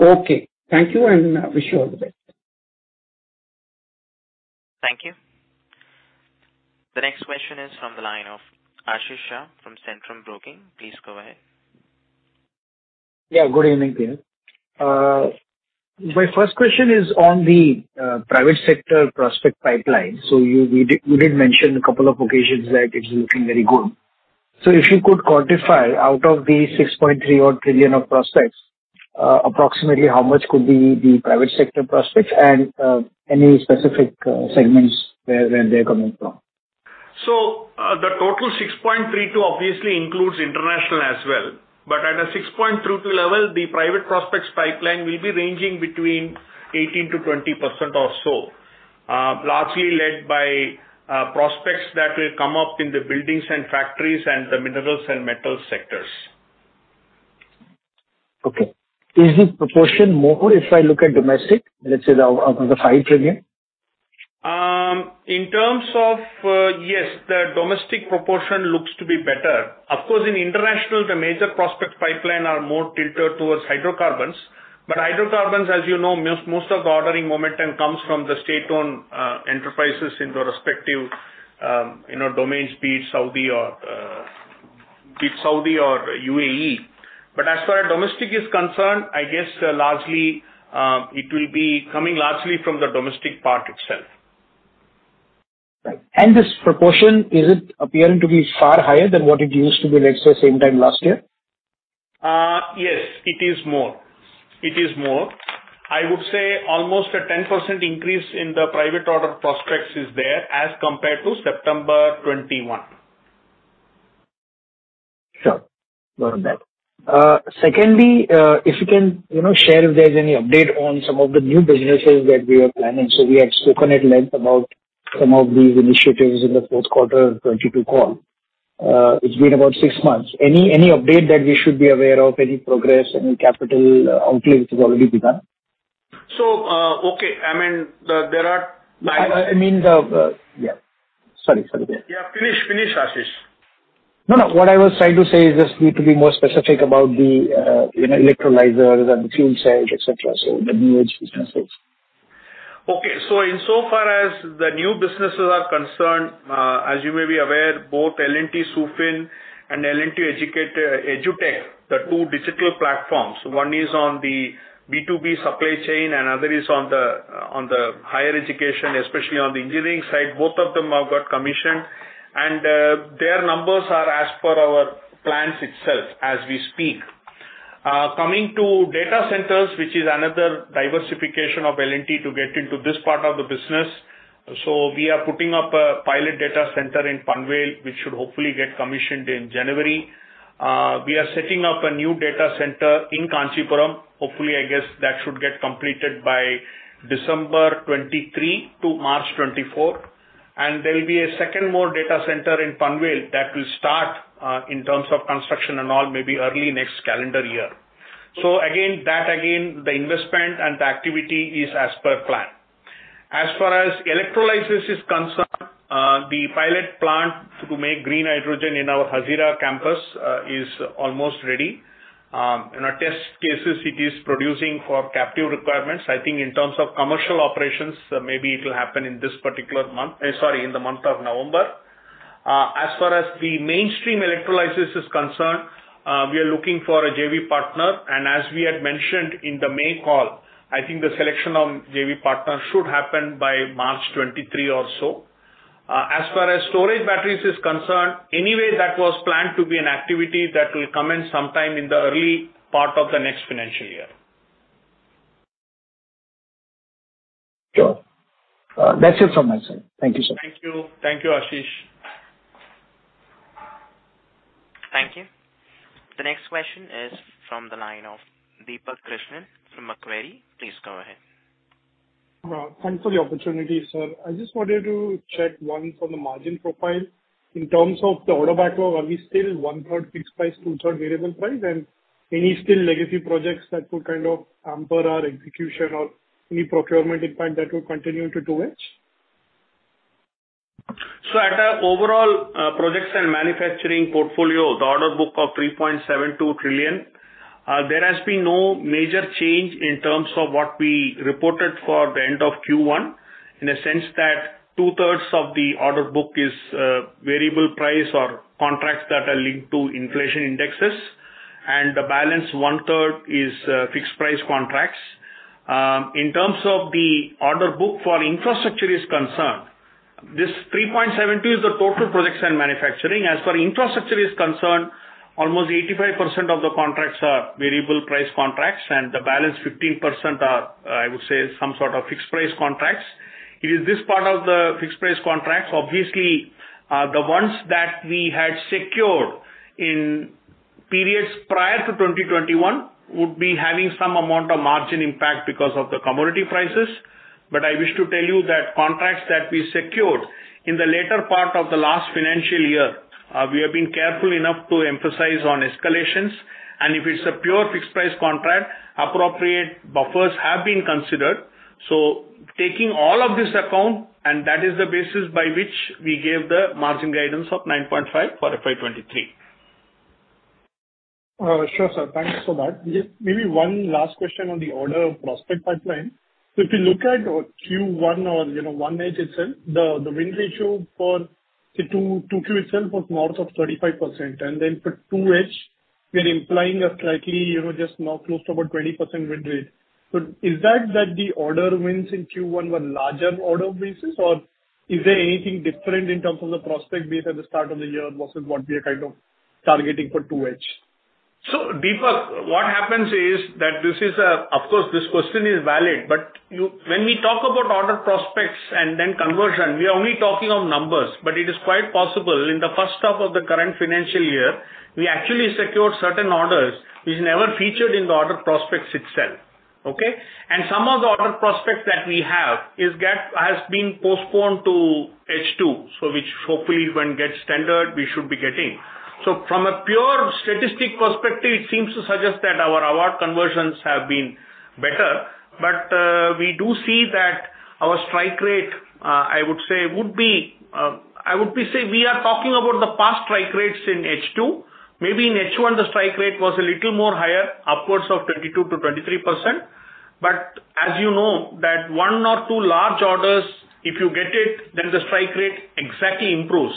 Okay. Thank you, and I wish you all the best. Thank you. The next question is from the line of Ashish Shah from Centrum Broking. Please go ahead. Yeah, good evening to you. My first question is on the private sector prospect pipeline. We did mention on a couple of occasions that it's looking very good. If you could quantify out of the 6.3-odd trillion of prospects, approximately how much could be the private sector prospects and any specific segments where they're coming from? The total 6.32 obviously includes international as well. At a 6.32 level, the private prospects pipeline will be ranging between 18%-20% or so, largely led by prospects that will come up in the buildings and factories and the minerals and metals sectors. Okay. Is the proportion more if I look at domestic, let's say of the 5 trillion? In terms of, yes, the domestic proportion looks to be better. Of course, in international, the major prospect pipeline are more tilted towards hydrocarbons. Hydrocarbons, as you know, most of the ordering momentum comes from the state-owned enterprises in the respective, you know, domains, be it Saudi or UAE. As far as domestic is concerned, I guess largely, it will be coming largely from the domestic part itself. Right. This proportion, is it appearing to be far higher than what it used to be, let's say, same time last year? Yes, it is more. I would say almost a 10% increase in the private order prospects is there as compared to September 2021. Sure. Note that. Secondly, if you can, you know, share if there's any update on some of the new businesses that we are planning. We had spoken at length about some of these initiatives in the fourth quarter of 2022 call. It's been about six months. Any update that we should be aware of, any progress, any capital outlays which have already begun? Okay. I mean, there are I mean, yeah. Sorry. Yeah. Finish, Ashish. No, no. What I was trying to say is just need to be more specific about the, you know, electrolyzers and the fuel cells, et cetera, so the new age businesses. Insofar as the new businesses are concerned, as you may be aware, both L&T-SuFin and L&T EduTech, the two digital platforms, one is on the B2B supply chain and other is on the higher education, especially on the engineering side. Both of them have got commissioned, and their numbers are as per our plans itself as we speak. Coming to data centers, which is another diversification of L&T to get into this part of the business. We are putting up a pilot data center in Panvel, which should hopefully get commissioned in January. We are setting up a new data center in Kanchipuram. Hopefully, I guess that should get completed by December 2023 to March 2024. There will be a second more data center in Panvel that will start, in terms of construction and all, maybe early next calendar year. Again, the investment and the activity is as per plan. As far as electrolysis is concerned, the pilot plant to make green hydrogen in our Hazira campus is almost ready. In our test cases it is producing for captive requirements. I think in terms of commercial operations, maybe it will happen in this particular month. Sorry, in the month of November. As far as the mainstream electrolysis is concerned, we are looking for a JV partner. As we had mentioned in the May call, I think the selection of JV partner should happen by March 2023 or so. As far as storage batteries is concerned, anyway, that was planned to be an activity that will come in sometime in the early part of the next financial year. Sure. That's it from my side. Thank you, sir. Thank you, Ashish. Thank you. The next question is from the line of Deepak Krishnan from Macquarie. Please go ahead. Well, thanks for the opportunity, sir. I just wanted to check one from the margin profile. In terms of the order backlog, are we still 1/3 fixed price, 2/3 variable price? Any still legacy projects that could kind of hamper our execution or any procurement impact that will continue into 2H? At our overall projects and manufacturing portfolio, the order book of 3.72 trillion, there has been no major change in terms of what we reported for the end of Q1, in a sense that two-thirds of the order book is variable price or contracts that are linked to inflation indexes, and the balance one-third is fixed price contracts. In terms of the order book for infrastructure is concerned, this 3.72 trillion is the total projects and manufacturing. As far as infrastructure is concerned, almost 85% of the contracts are variable price contracts, and the balance 15% are I would say some sort of fixed price contracts. It is this part of the fixed price contracts. Obviously, the ones that we had secured in periods prior to 2021 would be having some amount of margin impact because of the commodity prices. I wish to tell you that contracts that we secured in the later part of the last financial year, we have been careful enough to emphasize on escalations. If it's a pure fixed price contract, appropriate buffers have been considered. Taking all of this account, and that is the basis by which we gave the margin guidance of 9.5% for FY 2023. Sure, sir. Thanks for that. Just maybe one last question on the order prospect pipeline. If you look at Q1 or, you know, 1H itself, the win ratio for 2Q itself was north of 35%. Then for 2H we are implying a slightly, you know, just north close to about 20% win rate. Is that the order wins in Q1 were larger order basis or is there anything different in terms of the prospect base at the start of the year versus what we are kind of targeting for 2H? Deepak, what happens is that this is a, of course, this question is valid. But when we talk about order prospects and then conversion, we are only talking of numbers. But it is quite possible in the first half of the current financial year, we actually secured certain orders which never featured in the order prospects itself. Okay. Some of the order prospects that we have has been postponed to H2, so which hopefully when gets tendered, we should be getting. From a pure statistic perspective, it seems to suggest that our award conversions have been better. But we do see that our strike rate, I would say we are talking about the past strike rates in H2. Maybe in H1, the strike rate was a little more higher, upwards of 22%-23%. As you know that one or two large orders, if you get it, then the strike rate exactly improves.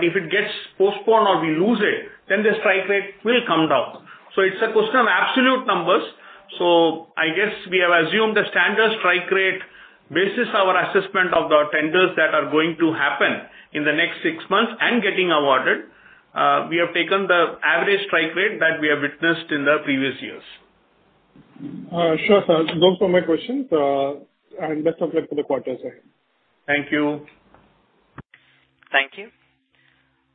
If it gets postponed or we lose it, then the strike rate will come down. It's a question of absolute numbers. I guess we have assumed the standard strike rate based on our assessment of the tenders that are going to happen in the next six months and getting awarded. We have taken the average strike rate that we have witnessed in the previous years. Sure, sir. Those were my questions. Best of luck for the quarters ahead. Thank you. Thank you.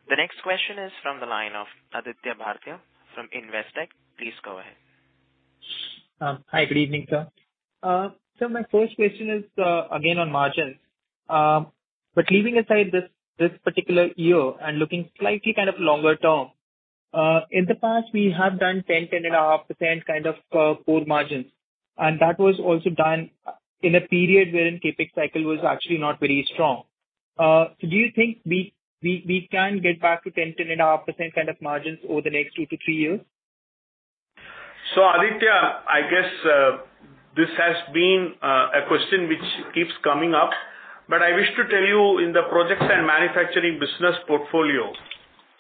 The next question is from the line of Aditya Bhartia from Investec. Please go ahead. Hi, good evening, sir. My first question is, again, on margins. But leaving aside this particular year and looking slightly kind of longer term, in the past, we have done 10%-10.5% kind of core margins, and that was also done in a period wherein CapEx cycle was actually not very strong. Do you think we can get back to 10%-10.5% kind of margins over the next two to three years? Aditya, I guess this has been a question which keeps coming up, but I wish to tell you in the projects and manufacturing business portfolio,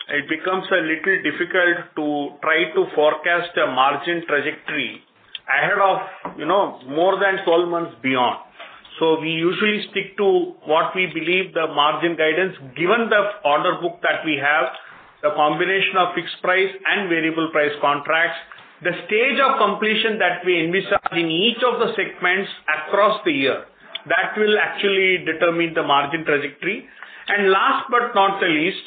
it becomes a little difficult to try to forecast a margin trajectory ahead of, you know, more than 12 months beyond. We usually stick to what we believe the margin guidance, given the order book that we have, the combination of fixed price and variable price contracts, the stage of completion that we envisage in each of the segments across the year. That will actually determine the margin trajectory. Last but not the least,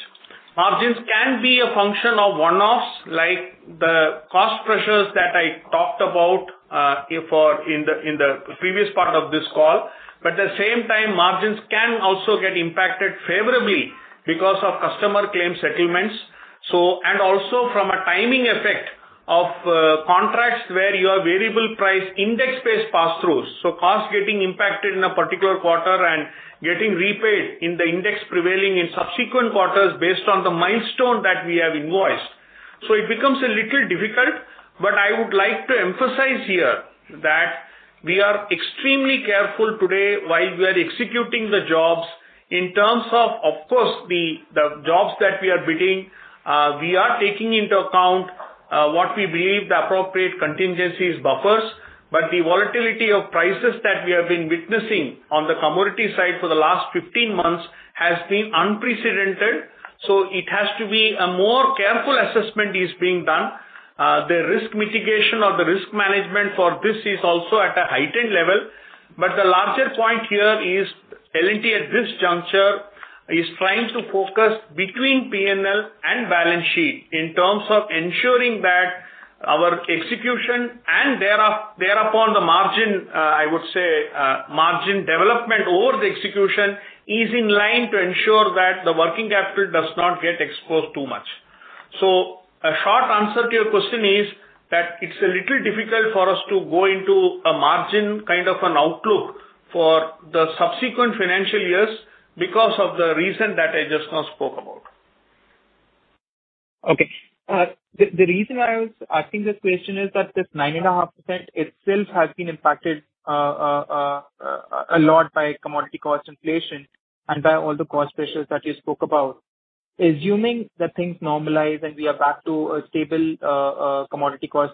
margins can be a function of one-offs, like the cost pressures that I talked about in the previous part of this call. At the same time, margins can also get impacted favorably because of customer claim settlements. From a timing effect of contracts where you have variable price index-based passthroughs. Costs getting impacted in a particular quarter and getting repaid in the index prevailing in subsequent quarters based on the milestone that we have invoiced. It becomes a little difficult, but I would like to emphasize here that we are extremely careful today while we are executing the jobs in terms of course, the jobs that we are bidding, we are taking into account what we believe the appropriate contingencies buffers. But the volatility of prices that we have been witnessing on the commodity side for the last 15 months has been unprecedented, so it has to be a more careful assessment is being done. The risk mitigation or the risk management for this is also at a heightened level. The larger point here is L&T at this juncture is trying to focus between P&L and balance sheet in terms of ensuring that our execution and thereof, thereupon the margin, I would say, margin development over the execution is in line to ensure that the working capital does not get exposed too much. A short answer to your question is that it's a little difficult for us to go into a margin kind of an outlook for the subsequent financial years because of the reason that I just now spoke about. Okay. The reason I was asking this question is that this 9.5% itself has been impacted a lot by commodity cost inflation and by all the cost pressures that you spoke about. Assuming that things normalize and we are back to a stable commodity cost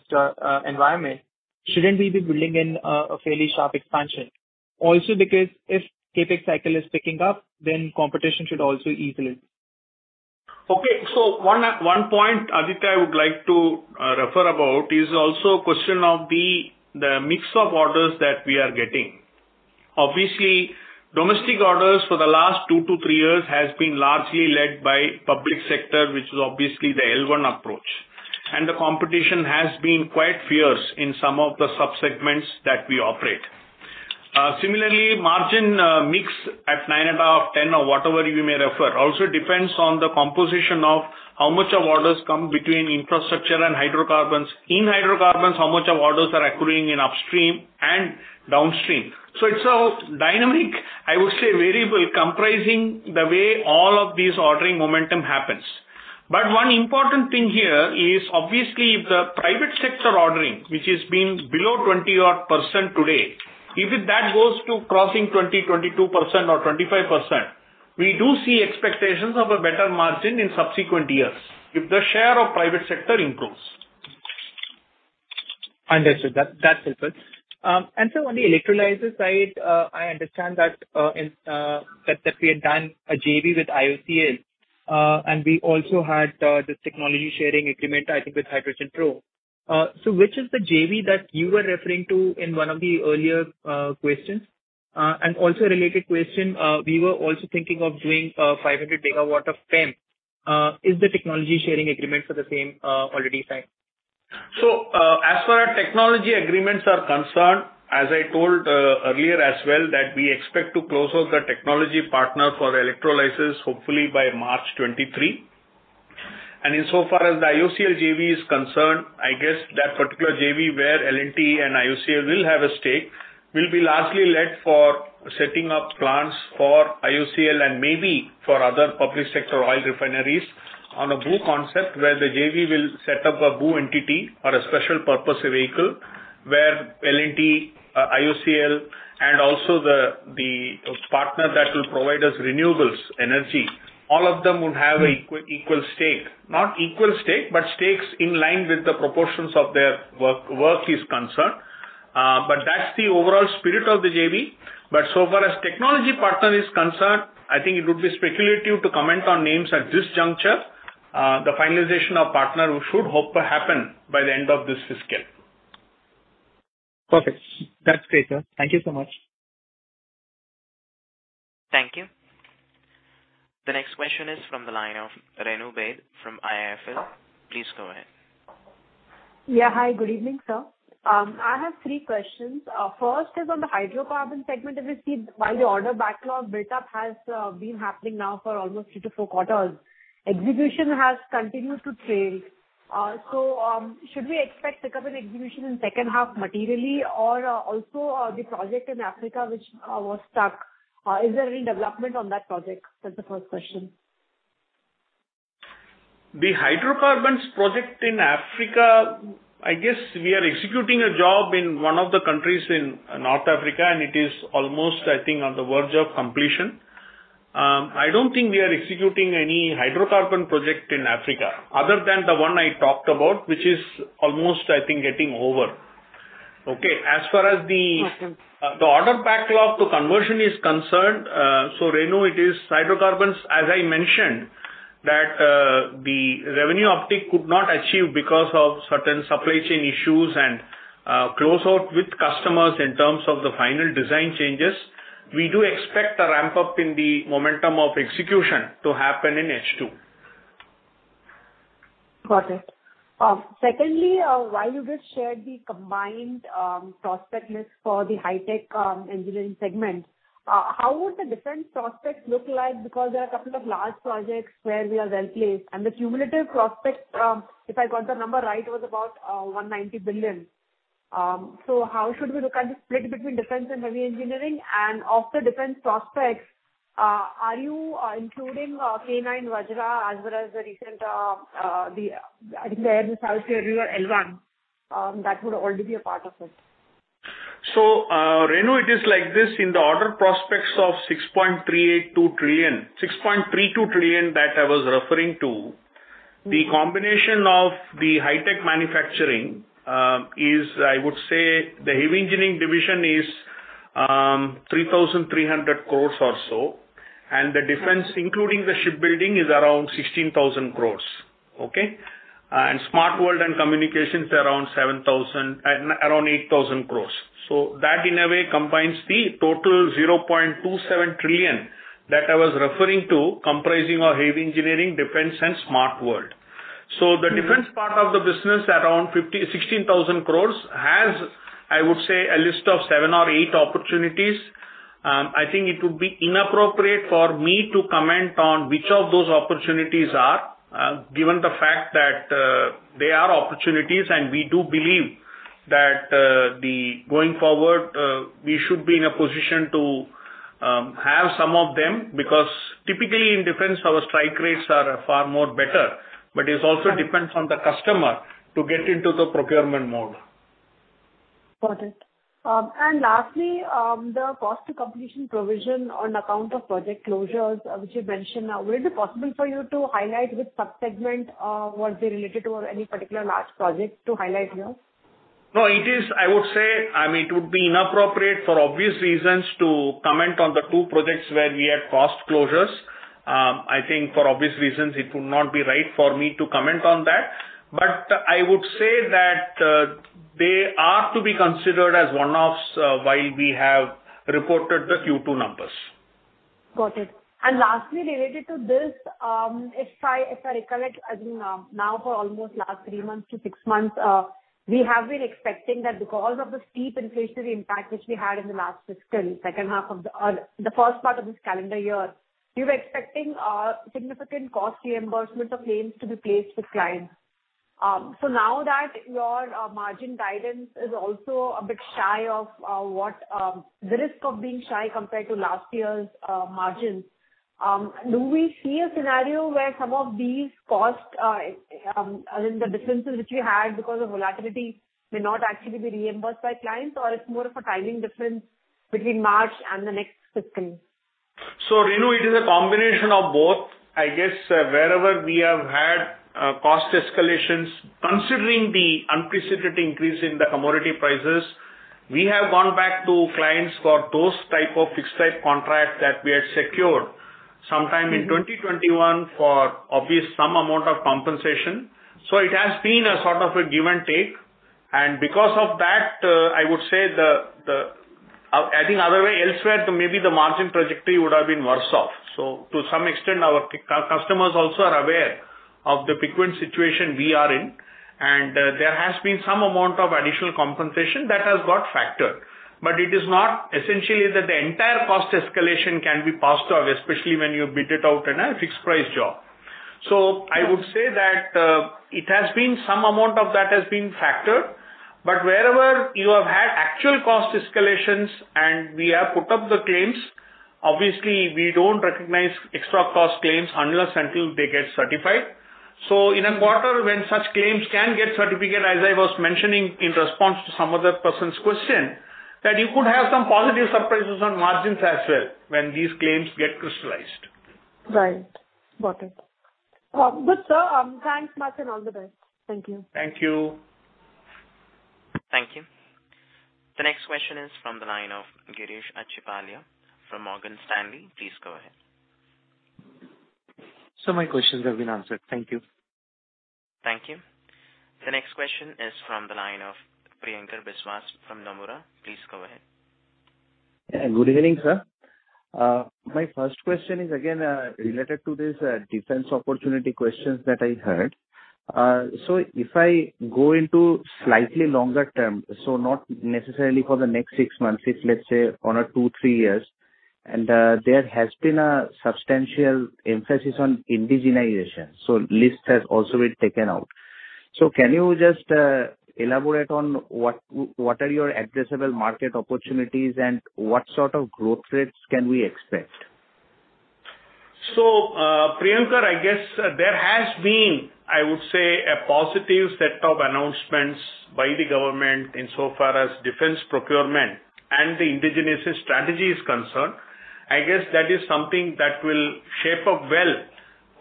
environment, shouldn't we be building in a fairly sharp expansion? Also because if CapEx cycle is picking up, then competition should also easily. One point, Aditya, I would like to refer to is also a question of the mix of orders that we are getting. Obviously, domestic orders for the last two to three years have been largely led by public sector, which is obviously the L1 approach. The competition has been quite fierce in some of the sub-segments that we operate. Similarly, margin mix at 9.5%-10% or whatever you may refer also depends on the composition of how much of orders come between infrastructure and hydrocarbons. In hydrocarbons, how much of orders are accruing in upstream and downstream. It is a dynamic, I would say variable, comprising the way all of these ordering momentum happens. One important thing here is obviously if the private sector ordering, which has been below 20%-odd today, if that goes to crossing 20%, 22% or 25%, we do see expectations of a better margin in subsequent years, if the share of private sector improves. Understood. That's it. On the electrolyzer side, I understand that we have done a JV with IOCL, and we also had the technology sharing agreement, I think with HydrogenPro. Which is the JV that you were referring to in one of the earlier questions? Also a related question, we were also thinking of doing 500 megawatt of PEM. Is the technology sharing agreement for the same already signed? As far as technology agreements are concerned, as I told earlier as well, that we expect to close out the technology partner for electrolyzers hopefully by March 2023. Insofar as the IOCL JV is concerned, I guess that particular JV where L&T and IOCL will have a stake, will be largely led for setting up plants for IOCL and maybe for other public sector oil refineries on a BOO concept where the JV will set up a BOO entity or a special purpose vehicle, where L&T, IOCL and also the partner that will provide us renewable energy, all of them would have an equal stake. Not equal stake, but stakes in line with the proportions of their work is concerned. That's the overall spirit of the JV. So far as technology partner is concerned, I think it would be speculative to comment on names at this juncture. The finalization of partner should hope to happen by the end of this fiscal. Perfect. That's great, sir. Thank you so much. Thank you. The next question is from the line of Renu Baid from IIFL. Please go ahead. Yeah. Hi, good evening, sir. I have three questions. First is on the hydrocarbon segment. We see, while the order backlog built up has been happening now for almost 3-4 quarters, execution has continued to trail. Should we expect pickup in execution in second half materially or also, the project in Africa which was stuck, is there any development on that project? That's the first question. The hydrocarbons project in Africa, I guess we are executing a job in one of the countries in North Africa, and it is almost, I think, on the verge of completion. I don't think we are executing any hydrocarbon project in Africa other than the one I talked about, which is almost, I think, getting over. Okay. As far as the- Okay. The order backlog-to-conversion is concerned, Renu, it is hydrocarbons, as I mentioned, that the revenue target could not achieve because of certain supply chain issues and close out with customers in terms of the final design changes. We do expect a ramp-up in the momentum of execution to happen in H2. Got it. Secondly, while you just shared the combined prospect list for the high tech engineering segment, how would the different prospects look like? Because there are a couple of large projects where we are well placed and the cumulative prospects, if I got the number right, was about 190 billion. How should we look at the split between defense and heavy engineering? Of the defense prospects, are you including K9 Vajra as well as the recent, I think, the [Air and Surface River] L1 that would already be a part of it? Renu, it is like this. In the order book prospects of 6.382 trillion, 6.32 trillion that I was referring to, the combination of the high-tech manufacturing is, I would say, the Heavy Engineering division 3,300 crores or so, and the defense, including the shipbuilding, is around 16,000 crores. Okay. Smart World and Communications around 8,000 crores. That in a way combines the total 0.27 trillion that I was referring to comprising our Heavy Engineering, defense and Smart World. The defense part of the business around 15,000, 16,000 crores has, I would say, a list of seven or eight opportunities. I think it would be inappropriate for me to comment on which of those opportunities are, given the fact that they are opportunities and we do believe that going forward we should be in a position to have some of them, because typically in defense our strike rates are far more better. It also depends on the customer to get into the procurement mode. Got it. Lastly, the cost to completion provision on account of project closures, which you mentioned now, would it be possible for you to highlight which sub-segment was it related to or any particular large projects to highlight here? No, it is. I would say, I mean, it would be inappropriate for obvious reasons to comment on the two projects where we had cost closures. I think for obvious reasons it would not be right for me to comment on that. I would say that they are to be considered as one-offs while we have reported the Q2 numbers. Got it. Lastly, related to this, if I recollect, I mean, now for almost last three months to six months, we have been expecting that because of the steep inflationary impact which we had in the last fiscal, second half of the first part of this calendar year, you were expecting significant cost reimbursement of claims to be placed with clients. Now that your margin guidance is also a bit shy of what the risk of being shy compared to last year's margins, do we see a scenario where some of these costs, I mean, the differences which we had because of volatility may not actually be reimbursed by clients, or it's more of a timing difference between March and the next fiscal? Renu, it is a combination of both. I guess, wherever we have had cost escalations, considering the unprecedented increase in the commodity prices, we have gone back to clients for those type of fixed price contracts that we had secured sometime in 2021 for, obviously, some amount of compensation. It has been a sort of a give and take. Because of that, I would say the I think otherwise, maybe the margin trajectory would have been worse off. To some extent, our customers also are aware of the frequent situation we are in, and there has been some amount of additional compensation that has got factored. But it is not essentially that the entire cost escalation can be passed off, especially when you bid it out in a fixed price job. I would say that it has been some amount of that has been factored. Wherever you have had actual cost escalations and we have put up the claims, obviously we don't recognize extra cost claims unless until they get certified. In a quarter when such claims can get certified, as I was mentioning in response to some other person's question, that you could have some positive surprises on margins as well when these claims get crystallized. Right. Got it. Good, sir. Thanks much and all the best. Thank you. Thank you. Thank you. The next question is from the line of Girish Achhipalia from Morgan Stanley. Please go ahead. My questions have been answered. Thank you. Thank you. The next question is from the line of Priyankar Biswas from Nomura. Please go ahead. Yeah, good evening, sir. My first question is again related to this defense opportunity questions that I heard. If I go into slightly longer term, not necessarily for the next six months, let's say on a two to three years, and there has been a substantial emphasis on indigenization. List has also been taken out. Can you just elaborate on what are your addressable market opportunities and what sort of growth rates can we expect? Priyanka, I guess there has been, I would say, a positive set of announcements by the government insofar as defence procurement and the indigenization strategy is concerned. I guess that is something that will shape up well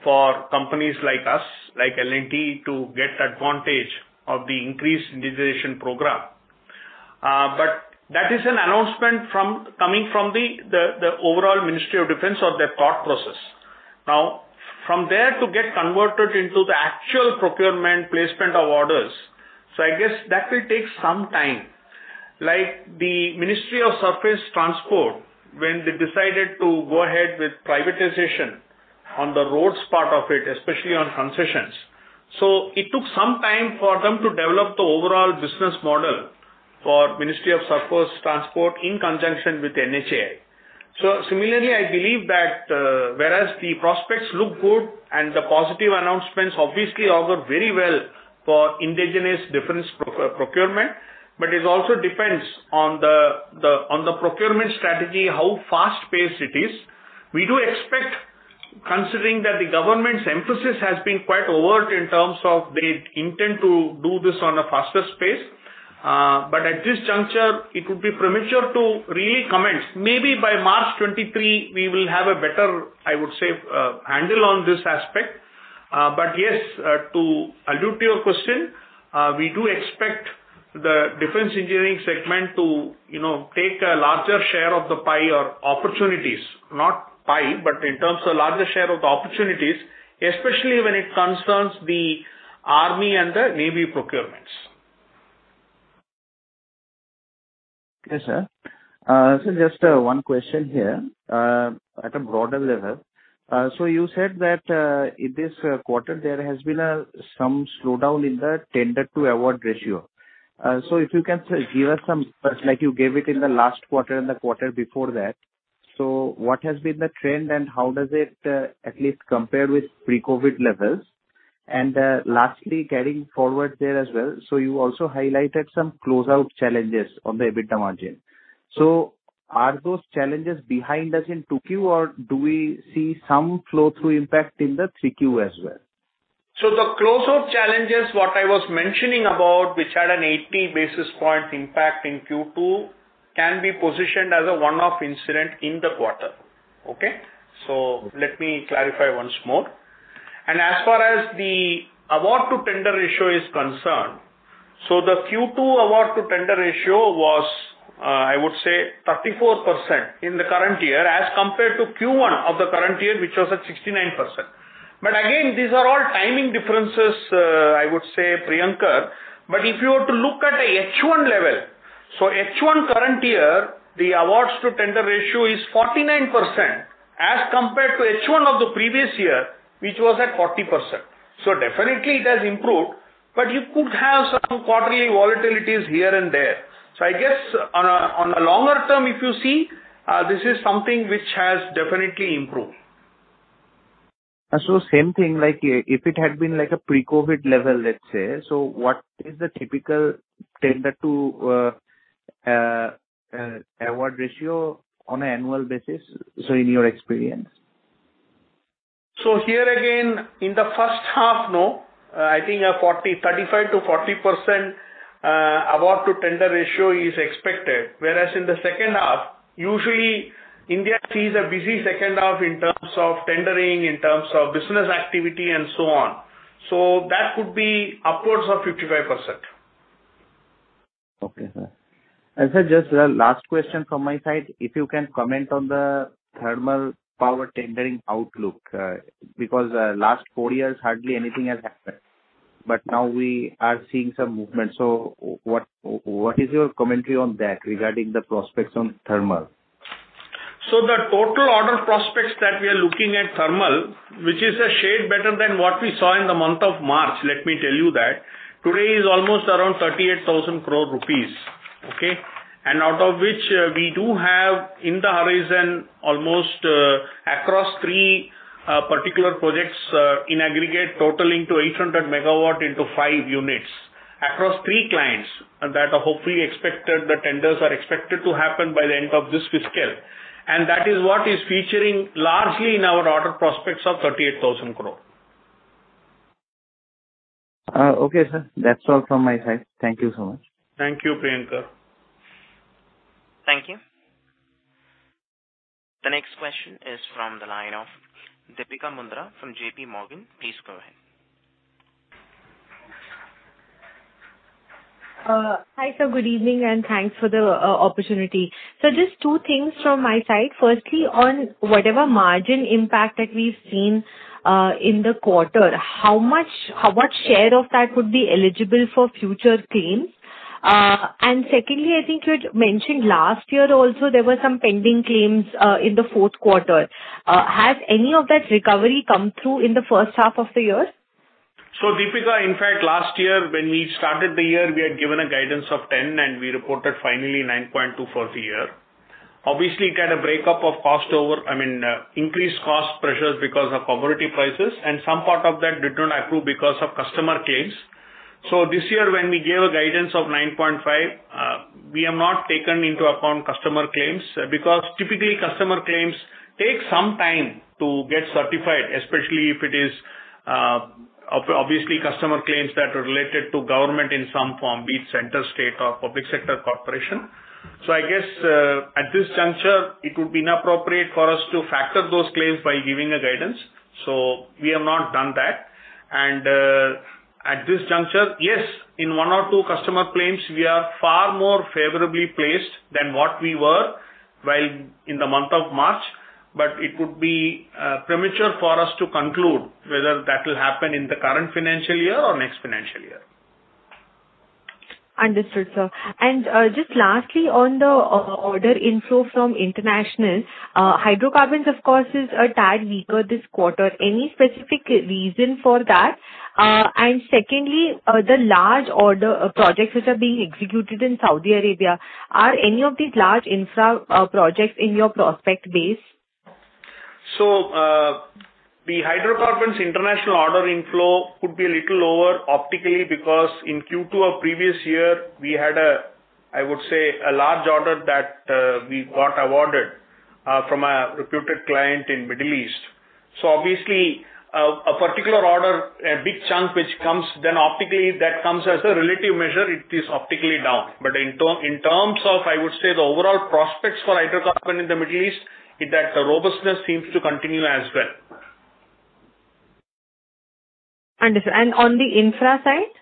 for companies like us, like L&T, to get advantage of the increased indigenization program. But that is an announcement from, coming from the overall Ministry of Defence or their thought process. Now, from there to get converted into the actual procurement placement of orders, I guess that will take some time. Like the Ministry of Surface Transport, when they decided to go ahead with privatization on the roads part of it, especially on concessions. It took some time for them to develop the overall business model for Ministry of Surface Transport in conjunction with NHAI. Similarly, I believe that, whereas the prospects look good and the positive announcements obviously augur very well for indigenous defense procurement, but it also depends on the procurement strategy, how fast-paced it is. We do expect, considering that the government's emphasis has been quite overt in terms of they intend to do this on a faster pace. But at this juncture it would be premature to really comment. Maybe by March 2023 we will have a better, I would say, handle on this aspect. But yes, to allude to your question, we do expect the defense engineering segment to, you know, take a larger share of the pie or opportunities. Not pie, but in terms of larger share of the opportunities, especially when it concerns the army and the navy procurements. Okay, sir. Just one question here at a broader level. You said that in this quarter there has been some slowdown in the tender to award ratio. If you can give us some, like you gave it in the last quarter and the quarter before that, what has been the trend and how does it at least compare with pre-COVID levels? Lastly, carrying forward there as well, you also highlighted some closeout challenges on the EBITDA margin. Are those challenges behind us in 2Q or do we see some flow-through impact in the 3Q as well? The closeout challenges, what I was mentioning about, which had an 80 basis points impact in Q2, can be positioned as a one-off incident in the quarter. Okay? Let me clarify once more. As far as the award to tender ratio is concerned, the Q2 award to tender ratio was, I would say, 34% in the current year as compared to Q1 of the current year, which was at 69%. Again, these are all timing differences, I would say, Priyankar. If you were to look at a H1 level, H1 current year, the awards to tender ratio is 49% as compared to H1 of the previous year, which was at 40%. Definitely it has improved, but you could have some quarterly volatilities here and there. I guess on a longer term, if you see, this is something which has definitely improved. Same thing, like if it had been like a pre-COVID level, let's say, so what is the typical tender to award ratio on an annual basis, so in your experience? Here again, in the first half, I think a 35%-40% award to tender ratio is expected, whereas in the second half, usually India sees a busy second half in terms of tendering, in terms of business activity and so on. That could be upwards of 55%. Okay, sir. Sir, just last question from my side. If you can comment on the thermal power tendering outlook, because last four years hardly anything has happened, but now we are seeing some movement. What is your commentary on that regarding the prospects on thermal? The total order prospects that we are looking at thermal, which is a shade better than what we saw in the month of March, let me tell you that, today is almost around 38,000 crore rupees. Okay? Out of which we do have in the horizon almost, across three particular projects, in aggregate totaling to 800 megawatt into five units across three clients that are hopefully expected, the tenders are expected to happen by the end of this fiscal. That is what is featuring largely in our order prospects of 38,000 crore. Okay, sir. That's all from my side. Thank you so much. Thank you, Priyankar. Thank you. The next question is from the line of Deepika Mundra from JPMorgan. Please go ahead. Hi, sir. Good evening, and thanks for the opportunity. Just two things from my side. Firstly, on whatever margin impact that we've seen in the quarter, how much, what share of that would be eligible for future claims? Secondly, I think you'd mentioned last year also there were some pending claims in the fourth quarter. Has any of that recovery come through in the first half of the year? Deepika, in fact, last year when we started the year, we had given a guidance of 10% and we reported finally 9.2% for the year. Obviously, you get a break-up of cost increased cost pressures because of commodity prices, and some part of that didn't approve because of customer claims. This year, when we gave a guidance of 9.5%, we have not taken into account customer claims, because typically customer claims take some time to get certified, especially if it is, obviously customer claims that are related to government in some form, be it center, state, or public sector corporation. I guess, at this juncture, it would be inappropriate for us to factor those claims by giving a guidance. We have not done that. At this juncture, yes, in one or two customer claims, we are far more favorably placed than what we were while in the month of March, but it would be premature for us to conclude whether that will happen in the current financial year or next financial year. Understood, sir. Just lastly, on the order inflow from international hydrocarbons of course is a tad weaker this quarter. Any specific reason for that? Secondly, the large order projects which are being executed in Saudi Arabia, are any of these large infra projects in your prospect base? The hydrocarbons international order inflow could be a little lower optically because in Q2 of previous year we had a, I would say, a large order that we got awarded from a reputed client in Middle East. Obviously, a particular order, a big chunk which comes then optically that comes as a relative measure, it is optically down. But in terms of, I would say, the overall prospects for hydrocarbon in the Middle East, is that the robustness seems to continue as well. Understood. On the infra side?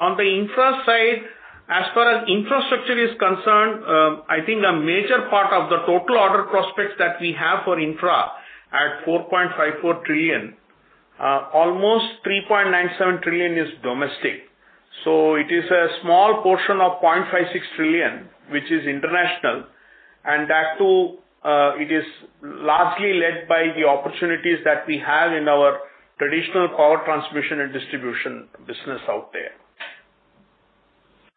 On the infra side, as far as infrastructure is concerned, I think a major part of the total order prospects that we have for infra at 4.54 trillion, almost 3.97 trillion is domestic. It is a small portion of 0.56 trillion, which is international, and that too, it is largely led by the opportunities that we have in our traditional power transmission and distribution business out there.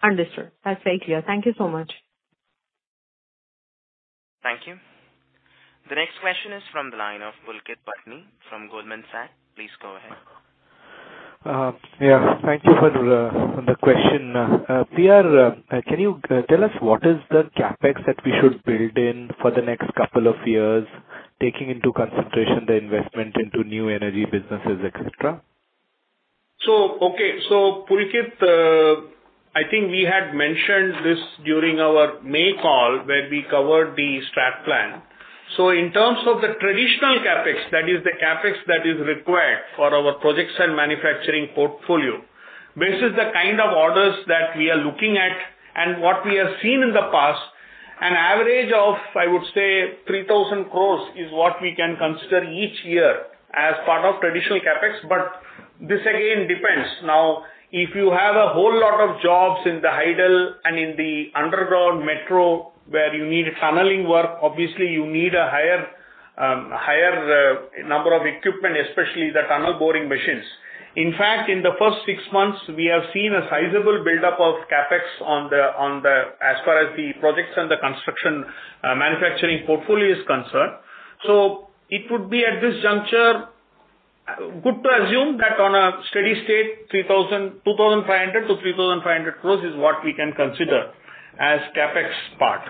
Understood. That's very clear. Thank you so much. Thank you. The next question is from the line of Pulkit Patni from Goldman Sachs. Please go ahead. Yeah, thank you for the question. P.R., can you tell us what is the CapEx that we should build in for the next couple of years, taking into consideration the investment into new energy businesses, et cetera? Pulkit, I think we had mentioned this during our May call, where we covered the strategic plan. In terms of the traditional CapEx, that is the CapEx that is required for our projects and manufacturing portfolio. This is the kind of orders that we are looking at and what we have seen in the past. An average of, I would say, 3,000 crore is what we can consider each year as part of traditional CapEx. This again depends. If you have a whole lot of jobs in the hydel and in the underground metro where you need tunneling work, obviously you need a higher number of equipment, especially the tunnel boring machines. In fact, in the first six months, we have seen a sizable buildup of CapEx on the as far as the projects and the construction, manufacturing portfolio is concerned. It would be, at this juncture, good to assume that on a steady state, 2,500 crores-3,500 crores is what we can consider as CapEx part.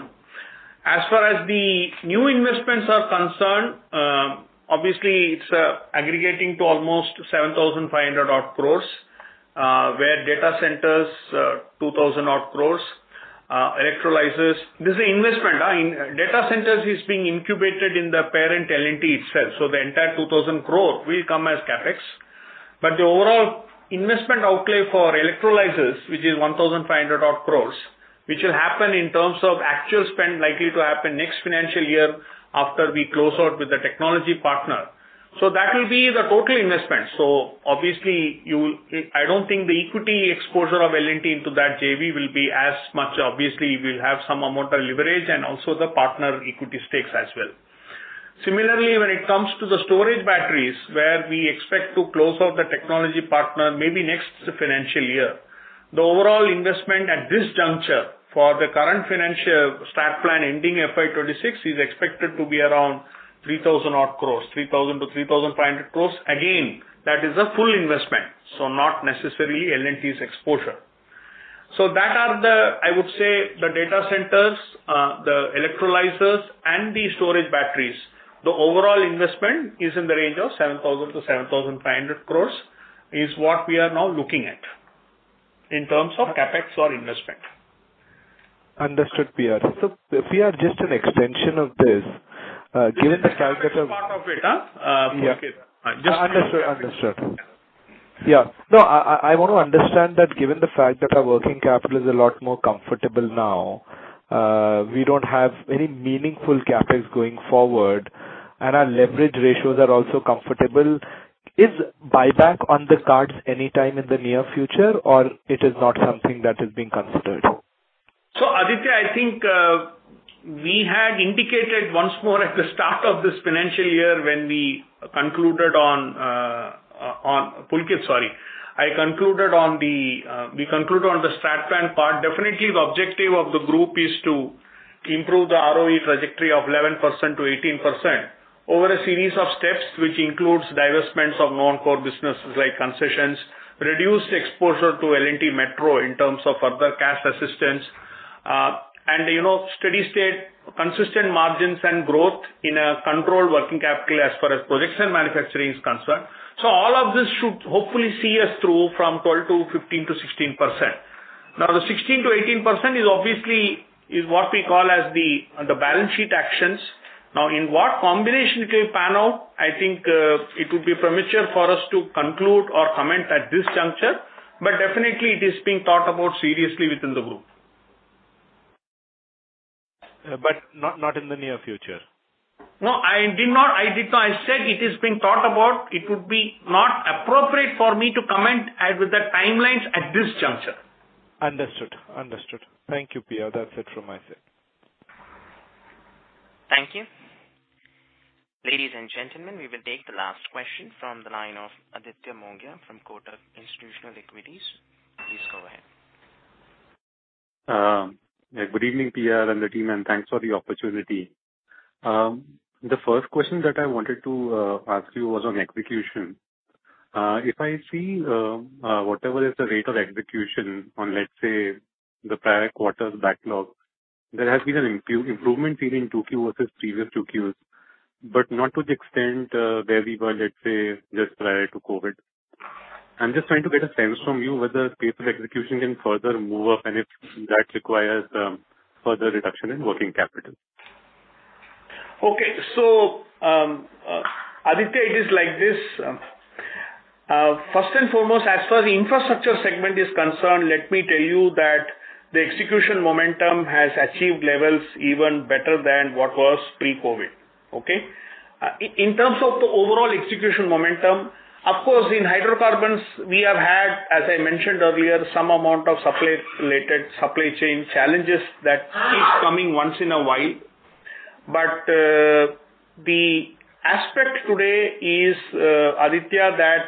As far as the new investments are concerned, obviously it's aggregating to almost 7,500 odd crores, where data centers, 2,000 odd crores, electrolyzers. This is investment. Data centers is being incubated in the parent L&T itself. The entire 2,000 crore will come as CapEx. The overall investment outlay for electrolyzers, which is 1,500-odd crore, which will happen in terms of actual spend likely to happen next financial year after we close out with the technology partner. That will be the total investment. Obviously, I don't think the equity exposure of L&T into that JV will be as much. Obviously, we'll have some amount of leverage and also the partner equity stakes as well. Similarly, when it comes to the storage batteries, where we expect to close out the technology partner maybe next financial year. The overall investment at this juncture for the current financial strategic plan ending FY 2026 is expected to be around 3,000-odd crore, 3,000 crore-3,500 crore. Again, that is a full investment, so not necessarily L&T's exposure. That are the, I would say, the data centers, the electrolyzers, and the storage batteries. The overall investment is in the range of 7,000 crore-7,500 crore, is what we are now looking at in terms of CapEx or investment. Understood, P.R., P.R, just an extension of this, given the fact that. This is part of it, huh? Pulkit. Understood. Yeah. No, I wanna understand that given the fact that our working capital is a lot more comfortable now, we don't have any meaningful CapEx going forward, and our leverage ratios are also comfortable. Is buyback on the cards anytime in the near future or it is not something that is being considered? Pulkit, sorry. We had indicated once more at the start of this financial year when we concluded on the strategic plan part. Definitely, the objective of the group is to improve the ROE trajectory of 11%-18% over a series of steps, which includes divestments of non-core businesses like concessions, reduced exposure to L&T Metro in terms of further cash assistance, and, you know, steady state, consistent margins and growth in a controlled working capital as far as projects and manufacturing is concerned. All of this should hopefully see us through from 12% to 15% to 16%. Now, the 16%-18% is obviously what we call as the balance sheet actions. Now, in what combination it will pan out, I think, it would be premature for us to conclude or comment at this juncture, but definitely it is being thought about seriously within the group. Not in the near future. No, I did not. I said it is being thought about. It would be not appropriate for me to comment as with the timelines at this juncture. Understood. Thank you, P.R. That's it from my side. Thank you. Ladies and gentlemen, we will take the last question from the line of Aditya Mongia from Kotak Institutional Equities. Please go ahead. Good evening, P.R. and the team, and thanks for the opportunity. The first question that I wanted to ask you was on execution. If I see whatever is the rate of execution on, let's say, the prior quarter's backlog, there has been an improvement seen in 2Q versus previous 2Qs, but not to the extent where we were, let's say, just prior to COVID. I'm just trying to get a sense from you whether pace of execution can further move up and if that requires further reduction in working capital. Okay. Aditya, it is like this. First and foremost, as far as the infrastructure segment is concerned, let me tell you that the execution momentum has achieved levels even better than what was pre-COVID, okay? In terms of the overall execution momentum, of course, in hydrocarbons we have had, as I mentioned earlier, some amount of supply-related supply chain challenges that keeps coming once in a while. The aspect today is, Aditya, that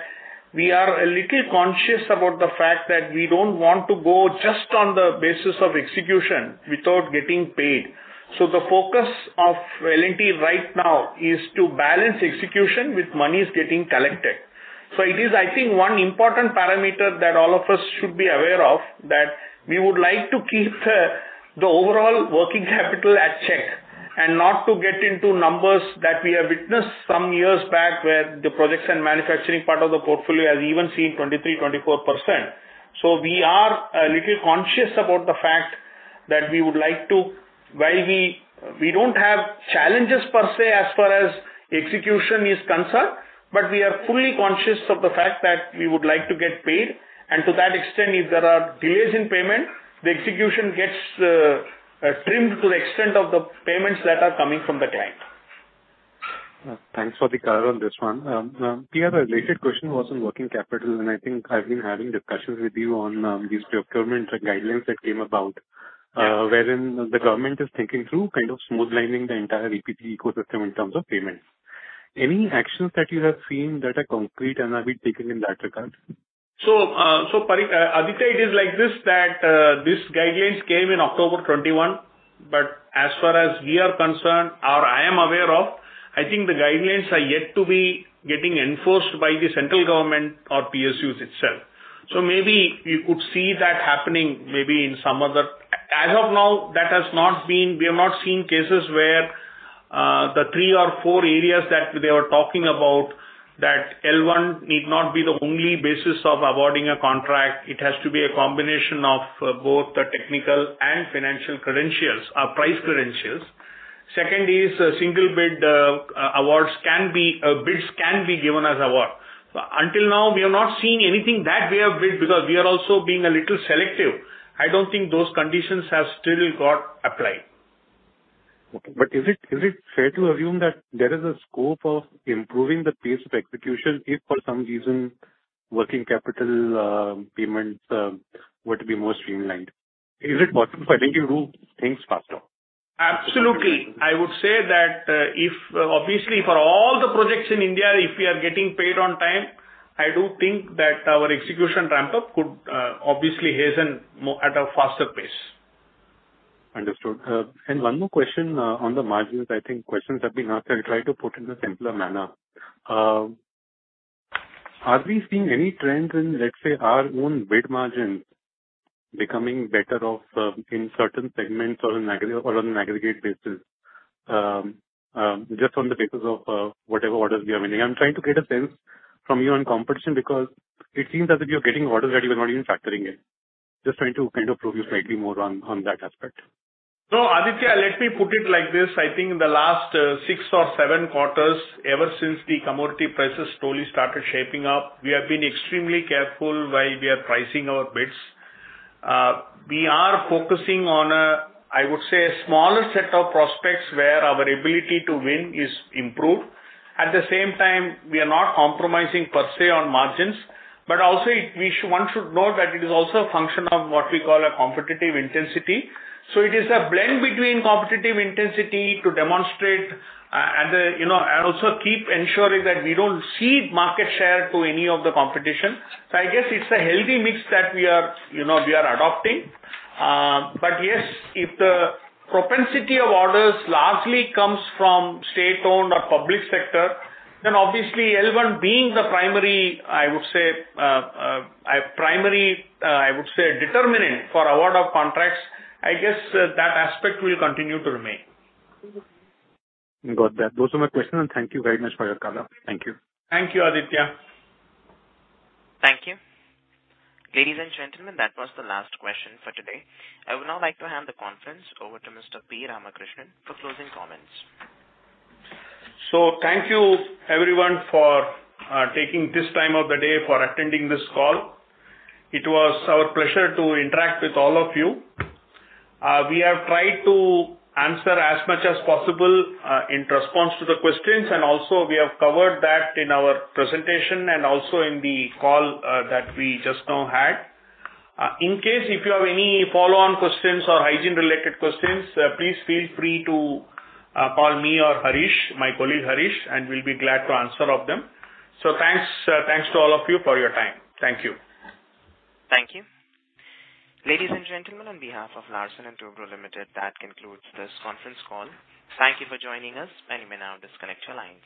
we are a little conscious about the fact that we don't want to go just on the basis of execution without getting paid. The focus of L&T right now is to balance execution with monies getting collected. It is, I think, one important parameter that all of us should be aware of, that we would like to keep the overall working capital in check and not to get into numbers that we have witnessed some years back where the projects and manufacturing part of the portfolio has even seen 23%-24%. We are a little conscious about the fact that we would like to. While we don't have challenges per se as far as execution is concerned, but we are fully conscious of the fact that we would like to get paid. To that extent, if there are delays in payment, the execution gets trimmed to the extent of the payments that are coming from the client. Thanks for the clarification on this one. P.R., the related question was on working capital, and I think I've been having discussions with you on these procurements and guidelines that came about, wherein the government is thinking through kind of streamlining the entire EPC ecosystem in terms of payments. Any actions that you have seen that are concrete and have been taken in that regard? Aditya, it is like this, that this guidelines came in October 2021, but as far as we are concerned or I am aware of, I think the guidelines are yet to be getting enforced by the central government or PSUs itself. Maybe you could see that happening maybe in some other. As of now, that has not been, we have not seen cases where the three or four areas that they were talking about that L1 need not be the only basis of awarding a contract. It has to be a combination of both the technical and financial credentials, price credentials. Second is single bid awards can be given as award. Until now, we have not seen anything that way of bid because we are also being a little selective. I don't think those conditions have still got applied. Okay. Is it fair to assume that there is a scope of improving the pace of execution if for some reason working capital, payments, were to be more streamlined? Is it possible for L&T to move things faster? Absolutely. I would say that, if obviously for all the projects in India, if we are getting paid on time, I do think that our execution ramp up could obviously hasten at a faster pace. Understood. One more question on the margins. I think questions have been asked. I'll try to put in a simpler manner. Are we seeing any trends in, let's say, our own bid margins becoming better off in certain segments or on an aggregate basis? Just on the basis of whatever orders we are winning. I'm trying to get a sense from you on competition because it seems as if you're getting orders that you are not even factoring in. Just trying to kind of probe you slightly more on that aspect. No, Aditya, let me put it like this. I think in the last six or seven quarters, ever since the commodity prices slowly started shaping up, we have been extremely careful while we are pricing our bids. We are focusing on a, I would say, a smaller set of prospects where our ability to win is improved. At the same time, we are not compromising per se on margins, but also one should know that it is also a function of what we call a competitive intensity. It is a blend between competitive intensity to demonstrate, and the, you know, and also keep ensuring that we don't cede market share to any of the competition. I guess it's a healthy mix that we are, you know, we are adopting. Yes, if the propensity of orders largely comes from state-owned or public sector, then obviously L1 being the primary, I would say, determinant for award of contracts, I guess that aspect will continue to remain. Got that. Those are my questions, and thank you very much for your color. Thank you. Thank you, Aditya. Thank you. Ladies and gentlemen, that was the last question for today. I would now like to hand the conference over to Mr. P. Ramakrishnan for closing comments. Thank you everyone for taking this time of the day for attending this call. It was our pleasure to interact with all of you. We have tried to answer as much as possible in response to the questions, and also we have covered that in our presentation and also in the call that we just now had. In case if you have any follow-on questions or hygiene-related questions, please feel free to call me or Harish, my colleague Harish, and we'll be glad to answer all of them. Thanks to all of you for your time. Thank you. Thank you. Ladies and gentlemen, on behalf of Larsen & Toubro Limited, that concludes this conference call. Thank you for joining us and you may now disconnect your lines.